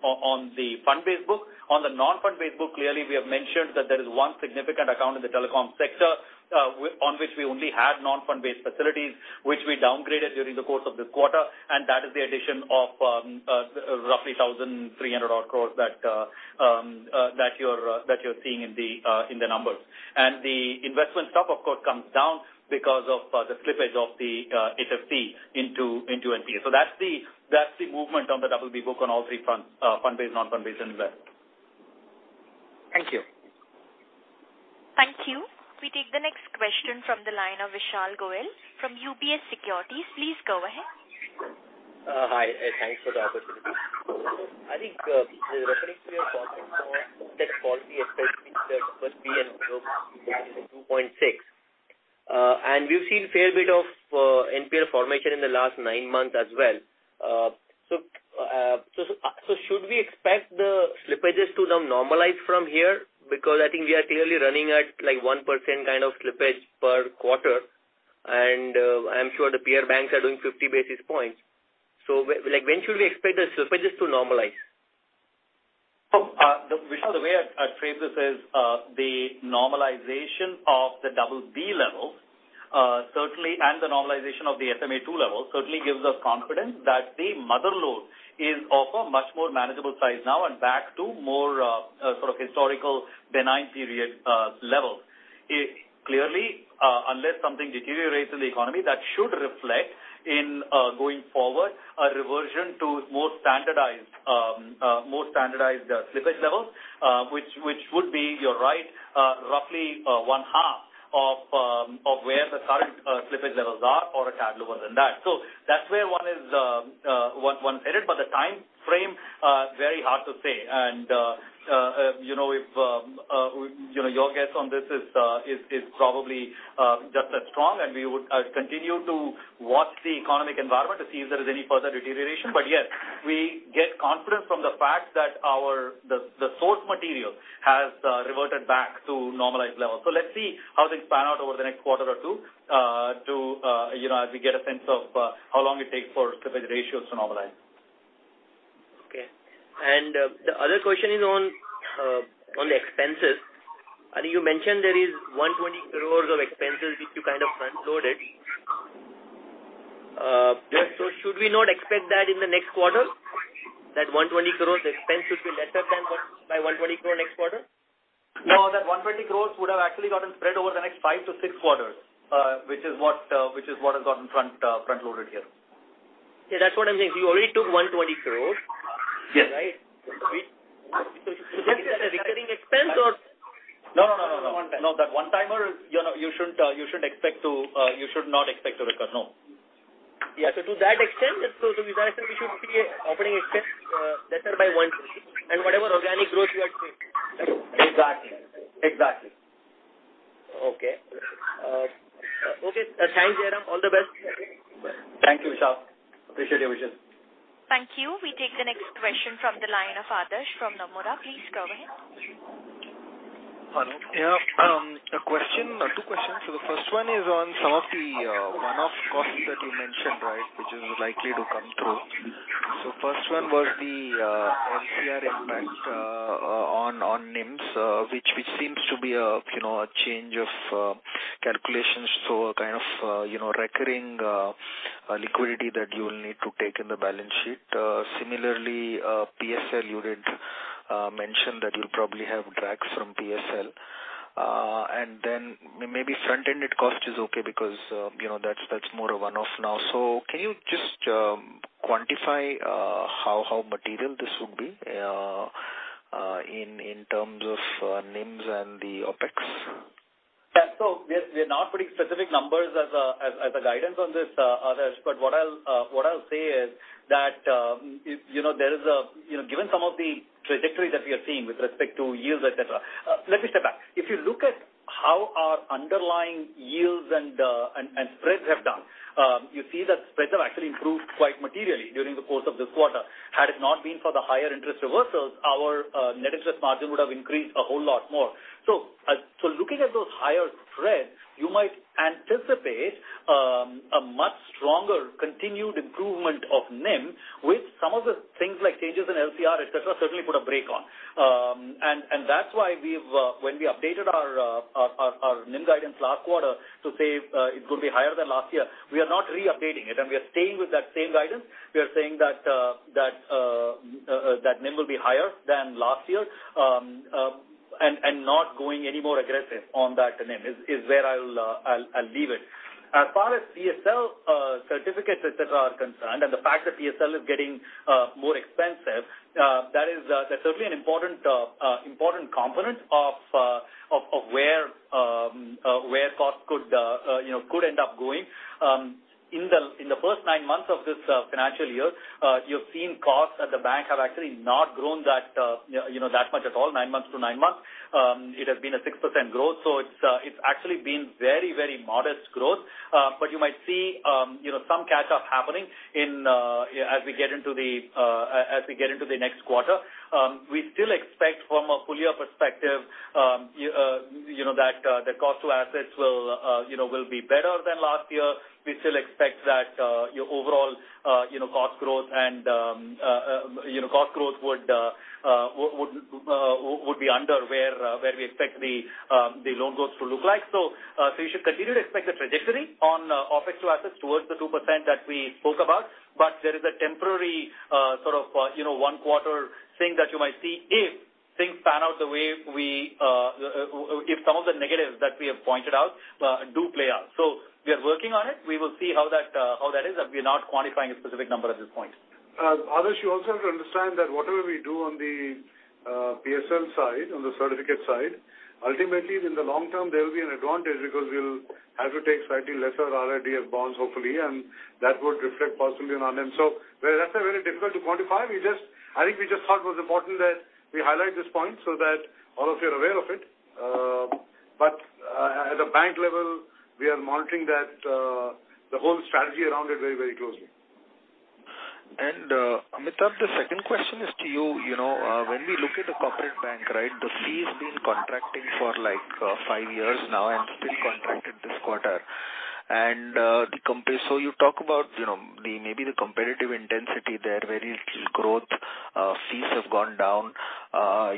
fund-based book. On the non-fund-based book, clearly, we have mentioned that there is one significant account in the telecom sector, on which we only had non-fund-based facilities, which we downgraded during the course of this quarter, and that is the addition of roughly 1,300 crore that you're seeing in the numbers. And the investment stock, of course, comes down because of the slippage of the HFC into NPA. So that's the movement on the BB book on all three fronts, fund-based, non-fund-based and invest. Thank you. Thank you. We take the next question from the line of Vishal Goyal from UBS Securities. Please go ahead. Hi, thanks for the opportunity. I think, referring to your comment on tech quality, especially the first B and 2.6. And we've seen a fair bit of NPA formation in the last nine months as well. So should we expect the slippages to now normalize from here? Because I think we are clearly running at like 1% kind of slippage per quarter, and I'm sure the peer banks are doing 50 basis points. So like, when should we expect the slippages to normalize? So, Vishal, the way I'd frame this is, the normalization of the BB level, certainly, and the normalization of the SMA-2 level, certainly gives us confidence that the mother lode is of a much more manageable size now and back to more, sort of historical benign period, level. It clearly, unless something deteriorates in the economy, that should reflect in, going forward, a reversion to more standardized, slippage levels, which would be, you're right, roughly, one-half of, of where the current, slippage levels are or a tad lower than that. So that's where one is, one edit, but the time frame, very hard to say. You know, if you know, your guess on this is probably just as strong, and we would continue to watch the economic environment to see if there is any further deterioration. But yes, we get confidence from the fact that our the source material has reverted back to normalized levels. So let's see how things pan out over the next quarter or two, to you know, as we get a sense of how long it takes for certain ratios to normalize. Okay. The other question is on the expenses. I think you mentioned there is 120 crore of expenses, which you kind of front loaded. So should we not expect that in the next quarter? That 120 crore, the expense should be lesser than what by 120 crore next quarter? No, that 120 crore would have actually gotten spread over the next 5-6 quarters, which is what has gotten front-loaded here. Yeah, that's what I'm saying. You already took 120 crore. Yes. Right? Is that a recurring expense or- No, no, no, no, no. One time. No, that one-timer, you know, you should not expect to recur, no. Yeah, so to that extent, so we should see operating expense lesser by 120, and whatever organic growth you are seeing. Exactly. Exactly. Okay. Okay, thanks, Jairam. All the best. Thank you, Vishal. Appreciate your vision. Thank you. We take the next question from the line of Adarsh from Nomura. Please go ahead. Hello. Yeah, a question, two questions. So the first one is on some of the, one-off costs that you mentioned, right, which is likely to come through. So first one was the, LCR impact, on, on NIMs, which, which seems to be a, you know, a change of, calculations. So a kind of, you know, recurring, liquidity that you will need to take in the balance sheet. Similarly, PSL, you did, mention that you'll probably have drags from PSL. And then maybe front-ended cost is okay, because, you know, that's, that's more a one-off now. So can you just, quantify, how, how material this would be, in, in terms of, NIMs and the OpEx? Yeah. So we're not putting specific numbers as a guidance on this, Adarsh, but what I'll say is that, you know, there is a... You know, given some of the trajectory that we are seeing with respect to yields, et cetera. Let me step back. If you look at how our underlying yields and spreads have done, you see that spreads have actually improved quite materially during the course of this quarter. Had it not been for the higher interest reversals, our net interest margin would have increased a whole lot more. So, looking at those higher spreads, you might anticipate a much stronger continued improvement of NIM, which some of the things like changes in LCR, et cetera, certainly put a brake on. That's why we've, when we updated our NIM guidance last quarter to say it would be higher than last year, we are not re-updating it, and we are staying with that same guidance. We are saying that NIM will be higher than last year, and not going any more aggressive on that NIM is where I'll leave it. As far as PSL certificates, et cetera, are concerned, and the fact that PSL is getting more expensive, that is, that's certainly an important component of where costs could, you know, could end up going. In the first nine months of this financial year, you've seen costs at the bank have actually not grown that, you know, that much at all, nine months to nine months. It has been a 6% growth, so it's actually been very, very modest growth. But you might see, you know, some catch-up happening in as we get into the next quarter. We still expect from a full year perspective, you know, that the cost to assets will, you know, will be better than last year. We still expect that your overall, you know, cost growth would be under where we expect the loan growth to look like. So you should continue to expect a trajectory on OpEx to assets towards the 2% that we spoke about, but there is a temporary, sort of, you know, one quarter thing that you might see if some of the negatives that we have pointed out do play out. So we are working on it. We will see how that is, and we are not quantifying a specific number at this point. Adarsh, you also have to understand that whatever we do on the PSL side, on the certificate side, ultimately, in the long term, there will be an advantage because we'll have to take slightly lesser RIDF bonds, hopefully, and that would reflect positively on our end. So where that's a very difficult to quantify, we just, I think we just thought it was important that we highlight this point so that all of you are aware of it. But at a bank level, we are monitoring that the whole strategy around it very, very closely. Amitabh, the second question is to you. You know, when we look at the corporate bank, right, the fee has been contracting for, like, five years now and still contracted this quarter. So you talk about, you know, the, maybe the competitive intensity there, very little growth, fees have gone down.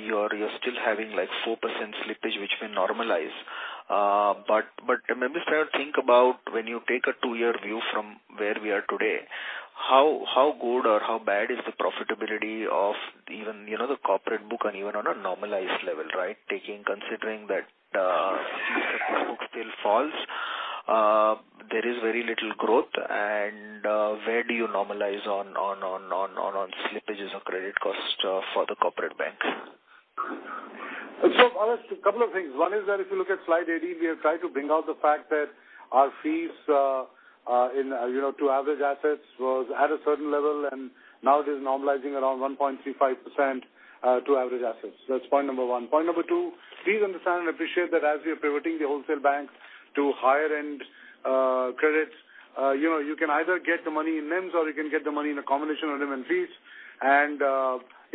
You're still having, like, 4% slippage, which may normalize. But let me try to think about when you take a two-year view from where we are today, how good or how bad is the profitability of even, you know, the corporate book and even on a normalized level, right? Taking, considering that book still falls, there is very little growth, and where do you normalize on slippages or credit cost for the corporate bank?... So, alas, a couple of things. One is that if you look at slide 18, we have tried to bring out the fact that our fees, in, you know, to average assets was at a certain level, and now it is normalizing around 1.35%, to average assets. That's point number one. Point number two, please understand and appreciate that as we are pivoting the wholesale bank to higher end, credits, you know, you can either get the money in NIMs or you can get the money in a combination of NIM and fees. And,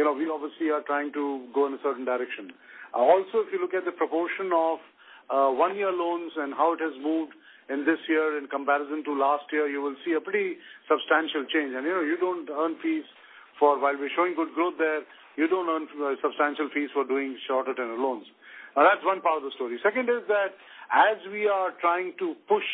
you know, we obviously are trying to go in a certain direction. Also, if you look at the proportion of, one-year loans and how it has moved in this year in comparison to last year, you will see a pretty substantial change. You know, you don't earn fees for while we're showing good growth there, you don't earn substantial fees for doing shorter tenure loans. Now, that's one part of the story. Second is that, as we are trying to push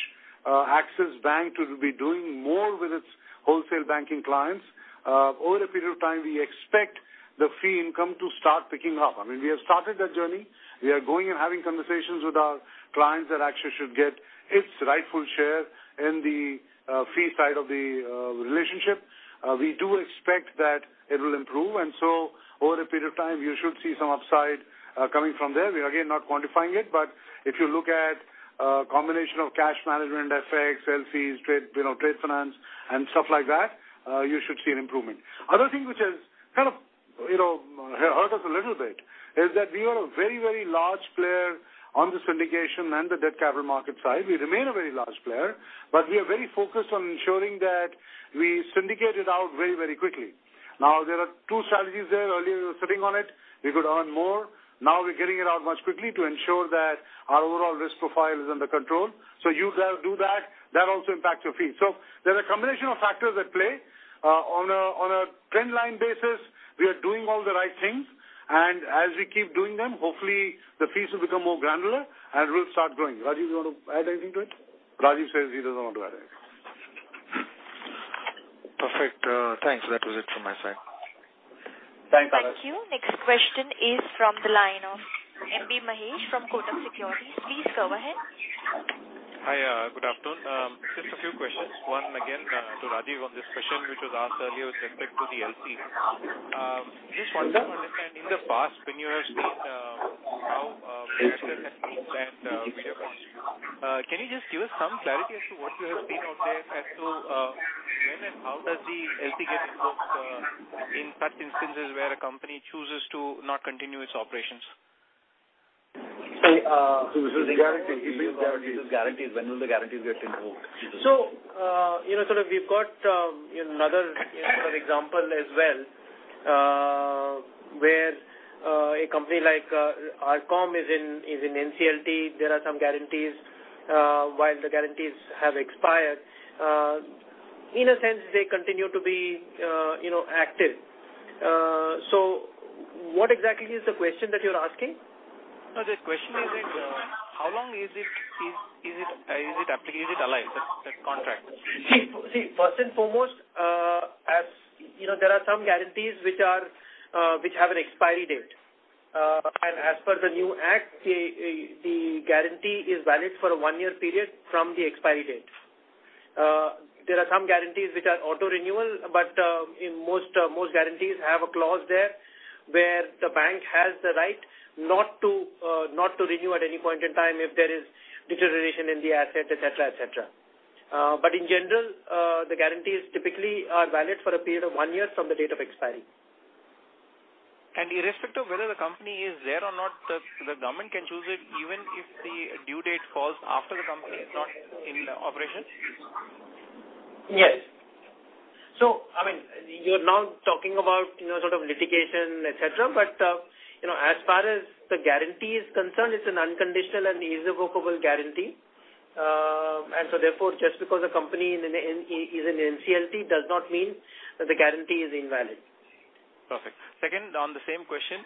Axis Bank to be doing more with its wholesale banking clients, over a period of time, we expect the fee income to start picking up. I mean, we have started that journey. We are going and having conversations with our clients that actually should get its rightful share in the fee side of the relationship. We do expect that it will improve, and so over a period of time, you should see some upside coming from there. We are, again, not quantifying it, but if you look at, combination of cash management, FX, LCs, trade, you know, trade finance and stuff like that, you should see an improvement. Other thing which has kind of, you know, hurt us a little bit, is that we are a very, very large player on the syndication and the debt capital market side. We remain a very large player, but we are very focused on ensuring that we syndicate it out very, very quickly. Now, there are two strategies there. Earlier, we were sitting on it, we could earn more. Now we're getting it out much quickly to ensure that our overall risk profile is under control. So you guys do that, that also impacts your fees. So there's a combination of factors at play. On a trend line basis, we are doing all the right things, and as we keep doing them, hopefully the fees will become more granular and will start growing. Rajiv, you want to add anything to it? Rajiv says he does not want to add anything. Perfect, thanks. That was it from my side. Thanks, Adarsh. Thank you. Next question is from the line of M.B. Mahesh from Kotak Securities. Please go ahead. Hi, good afternoon. Just a few questions. Once again, to Rajiv on this question, which was asked earlier with respect to the LC. Just want to understand, in the past, when you have seen, can you just give us some clarity as to what you have seen out there as to, when and how does the LC get invoked, in such instances where a company chooses to not continue its operations? See, guarantees. Guarantees. Guarantees. When will the guarantees get invoked? So, you know, sort of we've got another, you know, example as well, where a company like RCom is in, is in NCLT, there are some guarantees. While the guarantees have expired, in a sense, they continue to be, you know, active. So what exactly is the question that you're asking? No, the question is that, how long is it, is it alive, that contract? See, see, first and foremost, as you know, there are some guarantees which are, which have an expiry date. As per the new act, the guarantee is valid for a one-year period from the expiry date. There are some guarantees which are auto renewal, but in most guarantees have a clause there, where the bank has the right not to renew at any point in time if there is deterioration in the asset, et cetera, et cetera. In general, the guarantees typically are valid for a period of one year from the date of expiry. Irrespective of whether the company is there or not, the government can choose it, even if the due date falls after the company is not in operation? Yes. So, I mean, you're now talking about, you know, sort of litigation, et cetera. But, you know, as far as the guarantee is concerned, it's an unconditional and irrevocable guarantee. And so therefore, just because a company is in NCLT, does not mean that the guarantee is invalid. Perfect. Second, on the same question,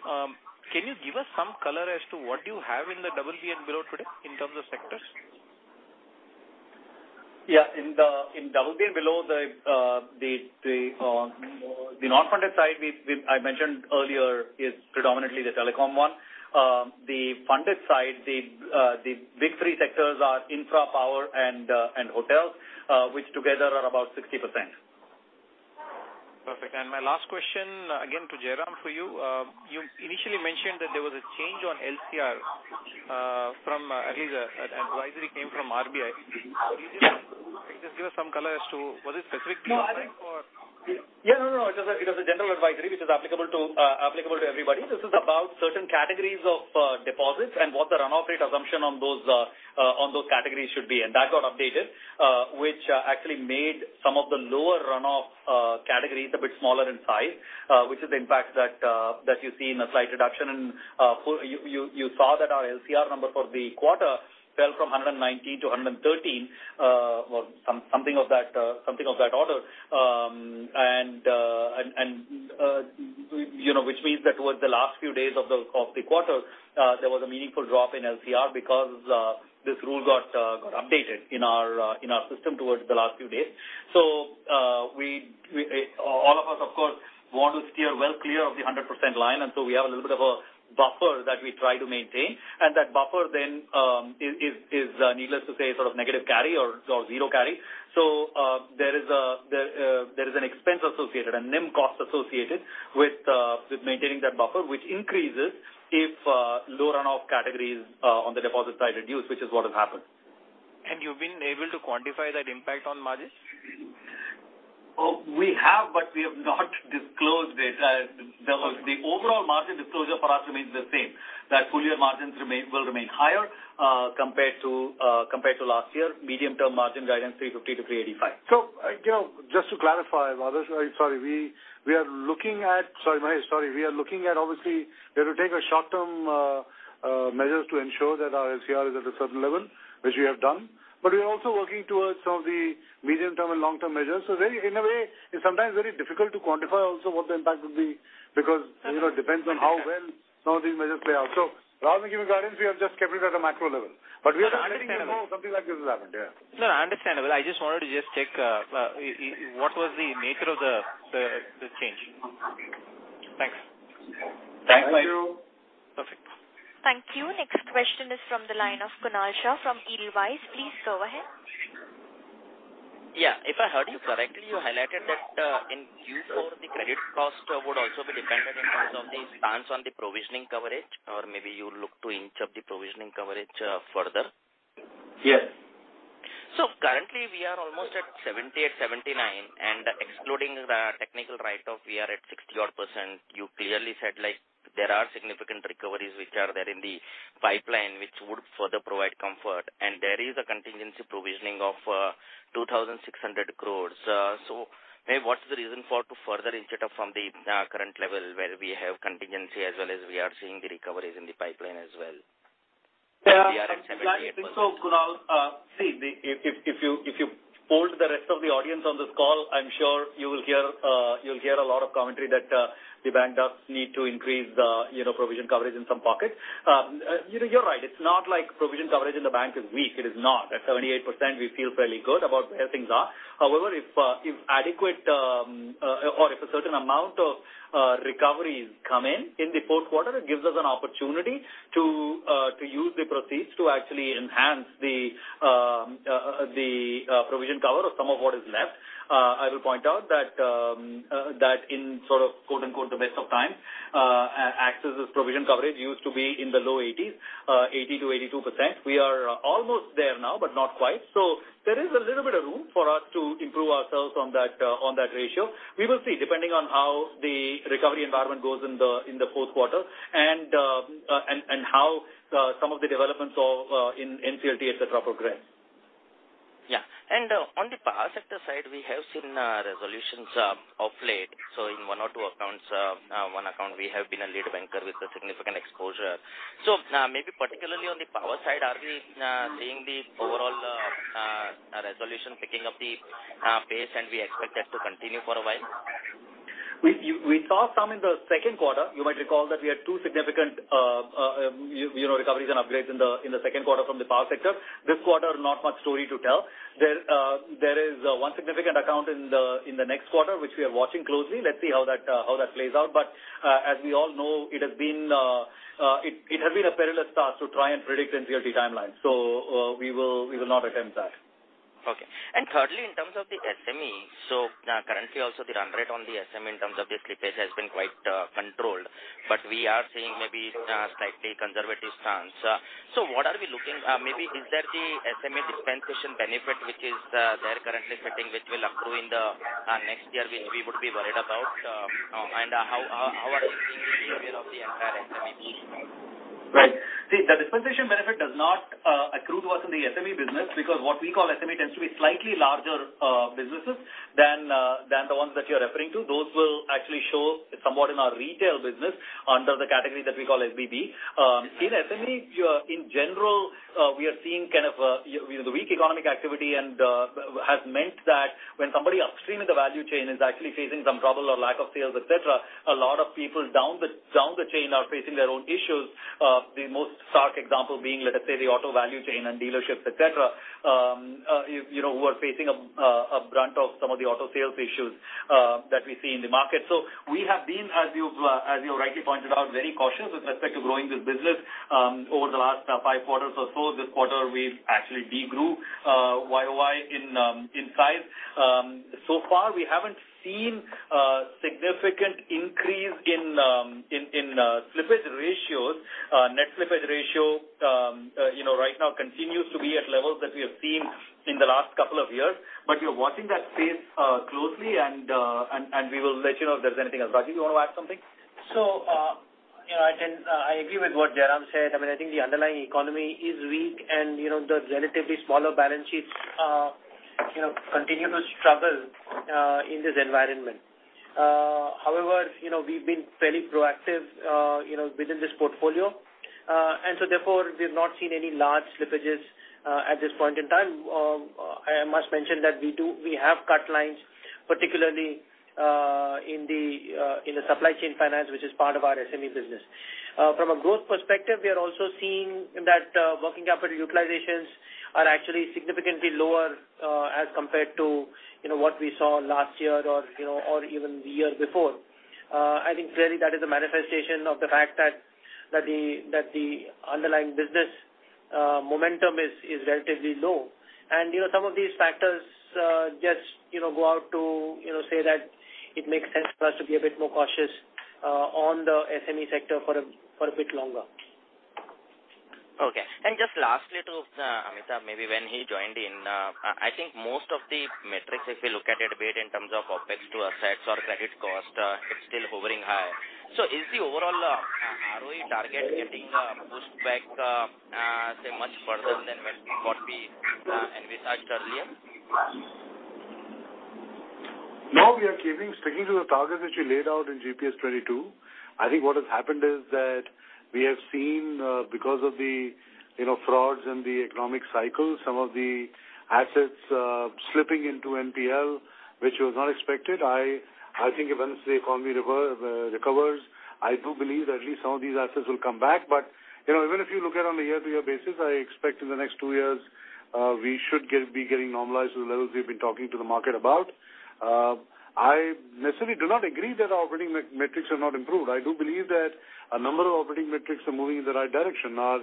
can you give us some color as to what you have in the BB and below today in terms of sectors? Yeah, in BB and below, the non-funded side, I mentioned earlier, is predominantly the telecom one. The funded side, the big three sectors are infra, power, and hotels, which together are about 60%. Perfect. My last question, again, to Jairam, for you. You initially mentioned that there was a change on LCR, from at least an advisory came from RBI. Can you just give us some color as to was it specific for- No, no, no. It was a, it was a general advisory which is applicable to, applicable to everybody. This is about certain categories of, deposits and what the run-off rate assumption on those, on those categories should be. That got updated, which actually made some of the lower run-off, categories a bit smaller in size, which is the impact that, that you see in a slight reduction. For you, you, you saw that our LCR number for the quarter fell from 190 to 113, or something of that, something of that order. And, you know, which means that towards the last few days of the quarter, there was a meaningful drop in LCR because this rule got updated in our system towards the last few days. So, we all of us, of course, want to steer well clear of the 100% line, and so we have a little bit of a buffer that we try to maintain. And that buffer then is, needless to say, sort of negative carry or zero carry. So, there is a-... there is an expense associated, a NIM cost associated with, with maintaining that buffer, which increases if, low runoff categories, on the deposit side reduce, which is what has happened. You've been able to quantify that impact on margins? Well, we have, but we have not disclosed it. The overall margin disclosure for us remains the same, that full year margins will remain higher compared to last year. Medium-term margin guidance, 350-385. So, you know, just to clarify, Mahesh, sorry, we, we are looking at—Sorry, Mahesh, sorry. We are looking at obviously, we have to take a short-term measures to ensure that our LCR is at a certain level, which we have done, but we are also working towards some of the medium-term and long-term measures. So very, in a way, it's sometimes very difficult to quantify also what the impact would be, because, you know, it depends on how well some of these measures play out. So rather than giving guidance, we have just kept it at a macro level. But we are something like this has happened. Yeah. No, understandable. I just wanted to just check, what was the nature of the change? Thanks. Thank you. Perfect. Thank you. Next question is from the line of Kunal Shah from Edelweiss. Please go ahead. Yeah, if I heard you correctly, you highlighted that, in Q4, the credit cost would also be dependent in terms of the stance on the provisioning coverage, or maybe you look to inch up the provisioning coverage, further? Yes. So currently, we are almost at 78, 79, and excluding the technical write-off, we are at 60-odd%. You clearly said, like, there are significant recoveries which are there in the pipeline, which would further provide comfort, and there is a contingency provisioning of 2,600 crore. So maybe what's the reason for to further inch it up from the current level where we have contingency as well as we are seeing the recoveries in the pipeline as well? Yeah, I think so, Kunal. If you poll the rest of the audience on this call, I'm sure you will hear. You'll hear a lot of commentary that the bank does need to increase the, you know, provision coverage in some pockets. You know, you're right, it's not like provision coverage in the bank is weak, it is not. At 78%, we feel fairly good about where things are. However, if adequate, or if a certain amount of recoveries come in, in the Q4, it gives us an opportunity to use the proceeds to actually enhance the provision cover of some of what is left. I will point out that in sort of quote-unquote, the best of times, Axis' provision coverage used to be in the low 80s, 80%-82%. We are almost there now, but not quite. So there is a little bit of room for us to improve ourselves on that, on that ratio. We will see, depending on how the recovery environment goes in the Q4 and how some of the developments of in NCLT, et cetera, progress. Yeah. And on the power sector side, we have seen resolutions of late. So in one or two accounts, one account, we have been a lead banker with a significant exposure. So maybe particularly on the power side, are we seeing the overall resolution picking up the pace, and we expect that to continue for a while? We saw some in the Q2. You might recall that we had two significant, you know, recoveries and upgrades in the Q2 from the power sector. This quarter, not much story to tell. There is one significant account in the next quarter, which we are watching closely. Let's see how that plays out. But as we all know, it has been a perilous start to try and predict NCLT timelines, so we will not attempt that. Okay. And thirdly, in terms of the SME, so, currently, also the run rate on the SME in terms of the slippage has been quite, controlled, but we are seeing maybe, slightly conservative stance. So what are we looking? Maybe is there the SME dispensation benefit, which is, there currently sitting, which will accrue in the, next year, we, we would be worried about, and, how, how are of the entire SME? Right. See, the dispensation benefit does not accrue to us in the SME business, because what we call SME tends to be slightly larger businesses than the ones that you're referring to. Those will actually show somewhat in our retail business under the category that we call SBB. In SME, in general, we are seeing kind of you know, the weak economic activity and has meant that when somebody upstream in the value chain is actually facing some trouble or lack of sales, et cetera, a lot of people down the chain are facing their own issues. The most stark example being, let's say, the auto value chain and dealerships, et cetera, you know, who are facing a brunt of some of the auto sales issues that we see in the market. So we have been, as you've as you rightly pointed out, very cautious with respect to growing this business, over the last five quarters or so. This quarter, we've actually de-grew YOY in size. So far, we haven't seen significant increase in slippage ratios. Net slippage ratio you know right now continues to be at levels that we have seen in the last couple of years, but we are watching that space closely, and we will let you know if there's anything else. Rajiv, you want to add something? So, you know, I agree with what Jairam said. I mean, I think the underlying economy is weak, and, you know, the relatively smaller balance sheets, you know, continue to struggle, in this environment. However, you know, we've been fairly proactive, you know, within this portfolio, and so therefore, we've not seen any large slippages, at this point in time. I must mention that we do, we have cut lines, particularly, in the supply chain finance, which is part of our SME business. From a growth perspective, we are also seeing that, working capital utilizations are actually significantly lower, as compared to, you know, what we saw last year or, you know, or even the year before. I think clearly that is a manifestation of the fact that the underlying business-... momentum is relatively low. And, you know, some of these factors just, you know, go out to, you know, say that it makes sense for us to be a bit more cautious on the SME sector for a bit longer. Okay. And just lastly, to Amitabh, maybe when he joined in, I, I think most of the metrics, if we look at it a bit in terms of OpEx to assets or credit cost, it's still hovering high. So is the overall ROE target getting, say much further than what, what we envisaged earlier? No, we are keeping sticking to the target which we laid out in GPS 22. I think what has happened is that we have seen, because of the, you know, frauds in the economic cycle, some of the assets slipping into NPL, which was not expected. I think eventually the economy recovers. I do believe that at least some of these assets will come back, but, you know, even if you look at on a year-to-year basis, I expect in the next 2 years, we should be getting normalized to the levels we've been talking to the market about. I necessarily do not agree that our operating metrics are not improved. I do believe that a number of operating metrics are moving in the right direction. Our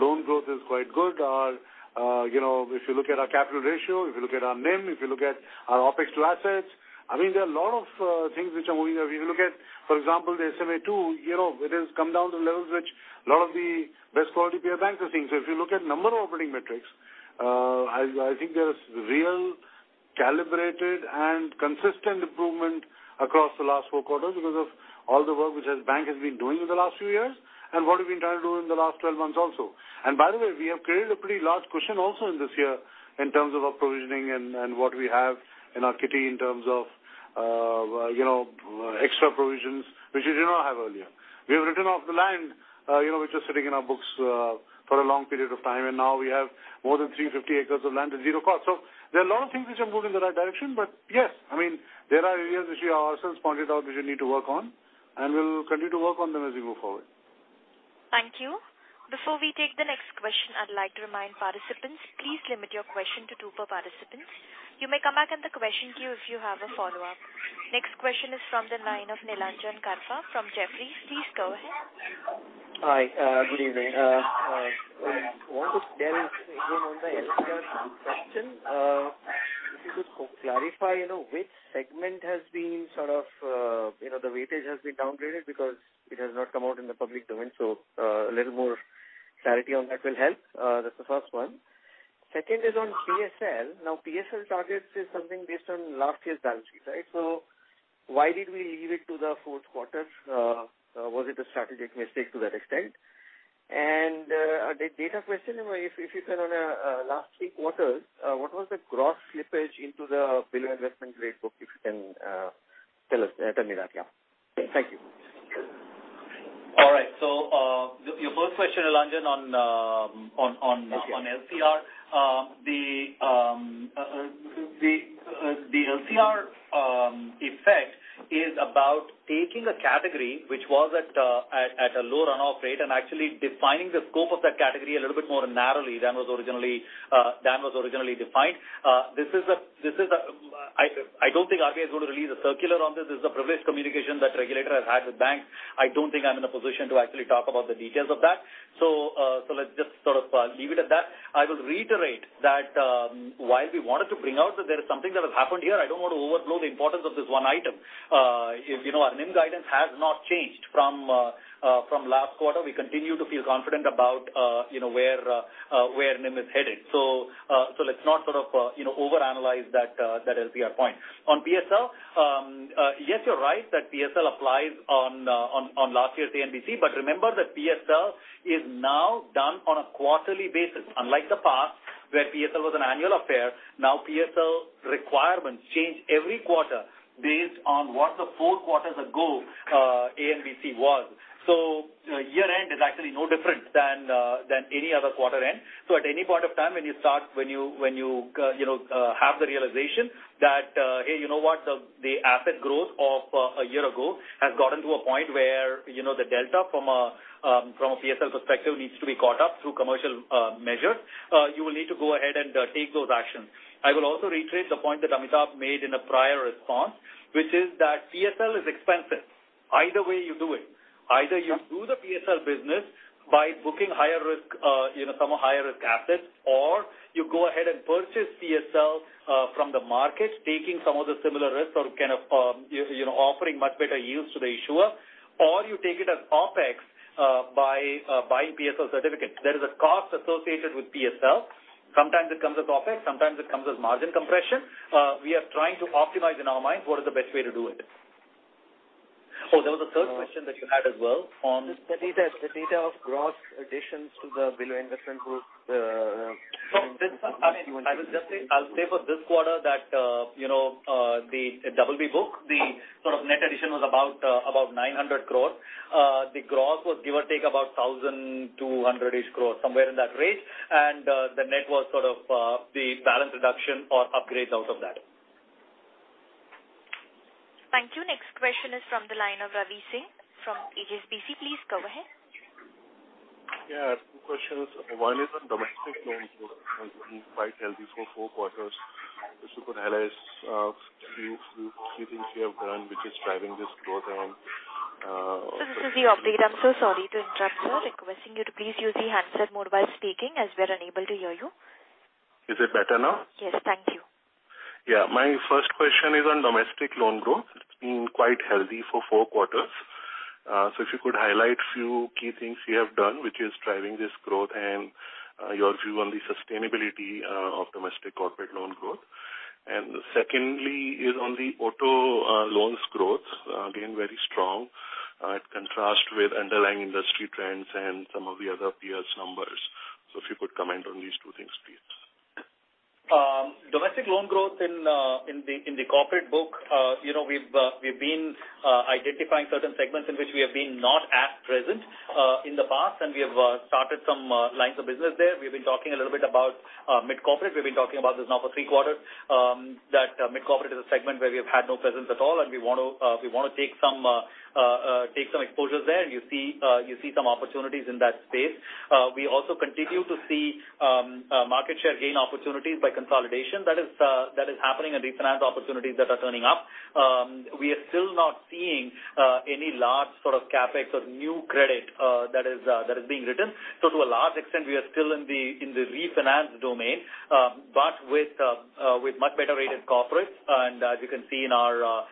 loan growth is quite good. Our, you know, if you look at our capital ratio, if you look at our NIM, if you look at our OpEx to assets, I mean, there are a lot of things which are moving. If you look at, for example, the SMA-2, you know, it has come down to levels which a lot of the best quality peer banks are seeing. So if you look at number of operating metrics, I think there's real calibrated and consistent improvement across the last 4 quarters because of all the work which Axis Bank has been doing over the last few years and what we've been trying to do in the last 12 months also. By the way, we have created a pretty large cushion also in this year in terms of our provisioning and what we have in our kitty in terms of, you know, extra provisions, which we did not have earlier. We have written off the land, you know, which was sitting in our books, for a long period of time, and now we have more than 350 acres of land at zero cost. So there are a lot of things which are moving in the right direction. But yes, I mean, there are areas which we ourselves pointed out, which we need to work on, and we'll continue to work on them as we move forward. Thank you. Before we take the next question, I'd like to remind participants, please limit your question to two per participant. You may come back in the question queue if you have a follow-up. Next question is from the line of Nilanjan Karfa from Jefferies. Please go ahead. Hi, good evening. I want to dig in again on the LCR question. If you could clarify, you know, which segment has been sort of, you know, the weightage has been downgraded because it has not come out in the public domain, so, a little more clarity on that will help. That's the first one. Second is on PSL. Now, PSL targets is something based on last year's balance sheet, right? So why did we leave it to the Q4? Was it a strategic mistake to that extent? And, the data question, if you can on a last three quarters, what was the gross slippage into the below investment grade book, if you can, tell us, tell me that, yeah. Thank you. All right. So, your first question, Nilanjan, on- Okay. - on LCR. The LCR effect is about taking a category which was at a low runoff rate and actually defining the scope of that category a little bit more narrowly than was originally defined. This is a... I don't think RBI is going to release a circular on this. This is a privileged communication that regulator has had with banks. I don't think I'm in a position to actually talk about the details of that. So, let's just sort of leave it at that. I will reiterate that, while we wanted to bring out that there is something that has happened here, I don't want to overlook the importance of this one item. If, you know, our NIM guidance has not changed from last quarter, we continue to feel confident about, you know, where NIM is headed. So, let's not sort of, you know, overanalyze that LCR point. On PSL, yes, you're right that PSL applies on last year's ANBC, but remember that PSL is now done on a quarterly basis. Unlike the past, where PSL was an annual affair, now PSL requirements change every quarter based on what the four quarters ago ANBC was. So year-end is actually no different than any other quarter end. So at any point of time, when you start, when you, you know, have the realization that, hey, you know what? The asset growth of a year ago has gotten to a point where, you know, the delta from a PSL perspective, needs to be caught up through commercial measures. You will need to go ahead and take those actions. I will also reiterate the point that Amitabh made in a prior response, which is that PSL is expensive, either way you do it. Either you do the PSL business by booking higher risk, you know, from a higher risk asset, or you go ahead and purchase PSL from the market, taking some of the similar risks or kind of, you know, offering much better yields to the issuer, or you take it as OpEx by buying PSL certificate. There is a cost associated with PSL. Sometimes it comes as OpEx, sometimes it comes as margin compression. We are trying to optimize in our minds what is the best way to do it. Oh, there was a third question that you had as well on- The data, the data of gross additions to the below investment group, No, this, I mean, I will just say, I'll say for this quarter that, you know, the BB book, the sort of net addition was about, about 900 crore. The gross was give or take, about 1,200-ish crore, somewhere in that range. And, the net was sort of, the balance reduction or upgrades out of that. Thank you. Next question is from the line of Ravi Singh, from HSBC. Please go ahead. Yeah, two questions. One is on-... quite healthy for four quarters. If you could highlight, few things you have done, which is driving this growth and, This is the update. I'm so sorry to interrupt, sir. Requesting you to please use the handset mode while speaking, as we are unable to hear you. Is it better now? Yes, thank you. Yeah. My first question is on domestic loan growth. It's been quite healthy for four quarters. So if you could highlight few key things you have done, which is driving this growth and, your view on the sustainability, of domestic corporate loan growth. And secondly, is on the auto, loans growth, again, very strong. It contrast with underlying industry trends and some of the other peers numbers. So if you could comment on these two things, please. Domestic loan growth in the corporate book, you know, we've been identifying certain segments in which we have been not as present in the past, and we have started some lines of business there. We've been talking a little bit about mid-corporate. We've been talking about this now for three quarters, that mid-corporate is a segment where we have had no presence at all, and we want to take some exposures there, and you see some opportunities in that space. We also continue to see market share gain opportunities by consolidation. That is happening and refinance opportunities that are turning up. We are still not seeing any large sort of CapEx or new credit that is being written. So to a large extent, we are still in the refinance domain, but with much better rated corporates, and as you can see in our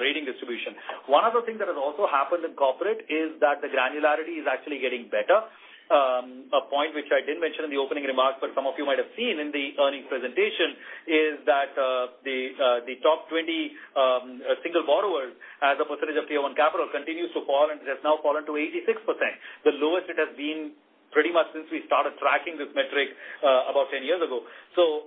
rating distribution. One other thing that has also happened in corporate is that the granularity is actually getting better. A point which I didn't mention in the opening remarks, but some of you might have seen in the earnings presentation, is that the top 20 single borrowers as a percentage of Tier 1 capital continues to fall, and it has now fallen to 86%. The lowest it has been pretty much since we started tracking this metric, about 10 years ago. So,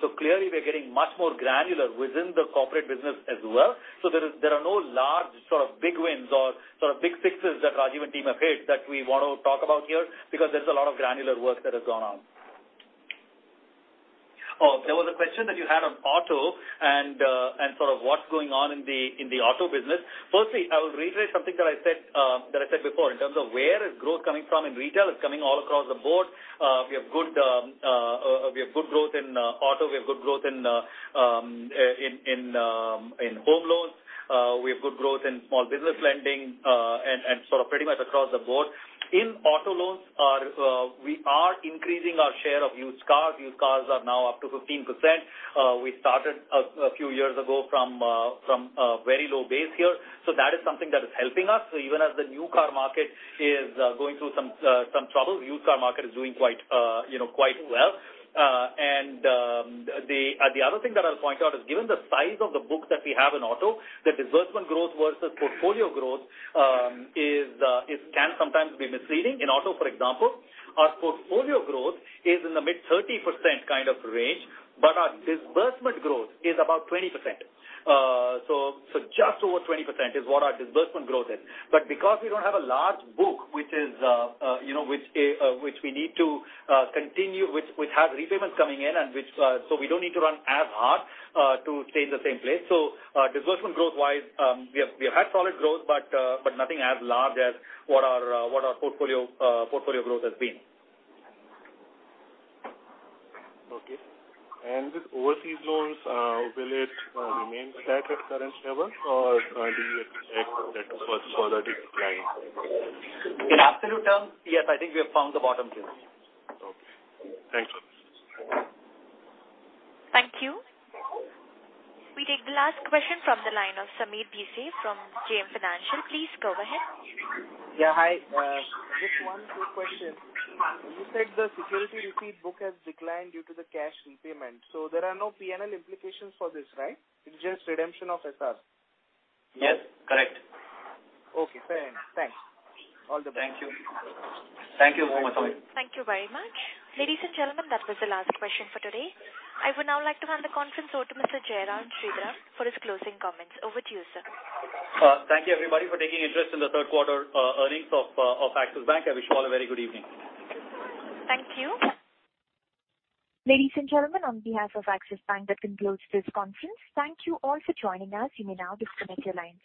so clearly, we are getting much more granular within the corporate business as well. So there are no large sort of big wins or sort of big fixes that Rajiv and team have hit that we want to talk about here, because there's a lot of granular work that has gone on. Oh, there was a question that you had on auto and, and sort of what's going on in the, in the auto business. Firstly, I will reiterate something that I said, that I said before, in terms of where is growth coming from in retail? It's coming all across the board. We have good growth in auto, we have good growth in home loans. We have good growth in small business lending, and sort of pretty much across the board. In auto loans, we are increasing our share of used cars. Used cars are now up to 15%. We started a few years ago from a very low base here. So that is something that is helping us. So even as the new car market is going through some trouble, the used car market is doing quite, you know, quite well. The other thing that I'll point out is given the size of the book that we have in auto, the disbursement growth versus portfolio growth can sometimes be misleading. In auto, for example, our portfolio growth is in the mid-30% kind of range, but our disbursement growth is about 20%. So, just over 20% is what our disbursement growth is. But because we don't have a large book, which is, you know, which we need to continue with repayments coming in and which, so we don't need to run as hard to stay in the same place. So, disbursement growth-wise, we have had solid growth, but nothing as large as what our portfolio growth has been. Okay. With overseas loans, will it remain flat at current level or do you expect that to further decline? In absolute terms? Yes, I think we have found the bottom here. Okay. Thank you. Thank you. We take the last question from the line of Sameer Bhise from JM Financial. Please go ahead. Yeah, hi. Just one quick question. You said the security receipt book has declined due to the cash repayment, so there are no P&L implications for this, right? It's just redemption of SR. Yes, correct. Okay, fair enough. Thanks. All the best. Thank you. Thank you very much. Thank you very much. Ladies and gentlemen, that was the last question for today. I would now like to hand the conference over to Mr. Jairam Sridharan for his closing comments. Over to you, sir. Thank you, everybody, for taking interest in the Q3 earnings of Axis Bank. I wish you all a very good evening. Thank you. Ladies and gentlemen, on behalf of Axis Bank, that concludes this conference. Thank you all for joining us. You may now disconnect your lines.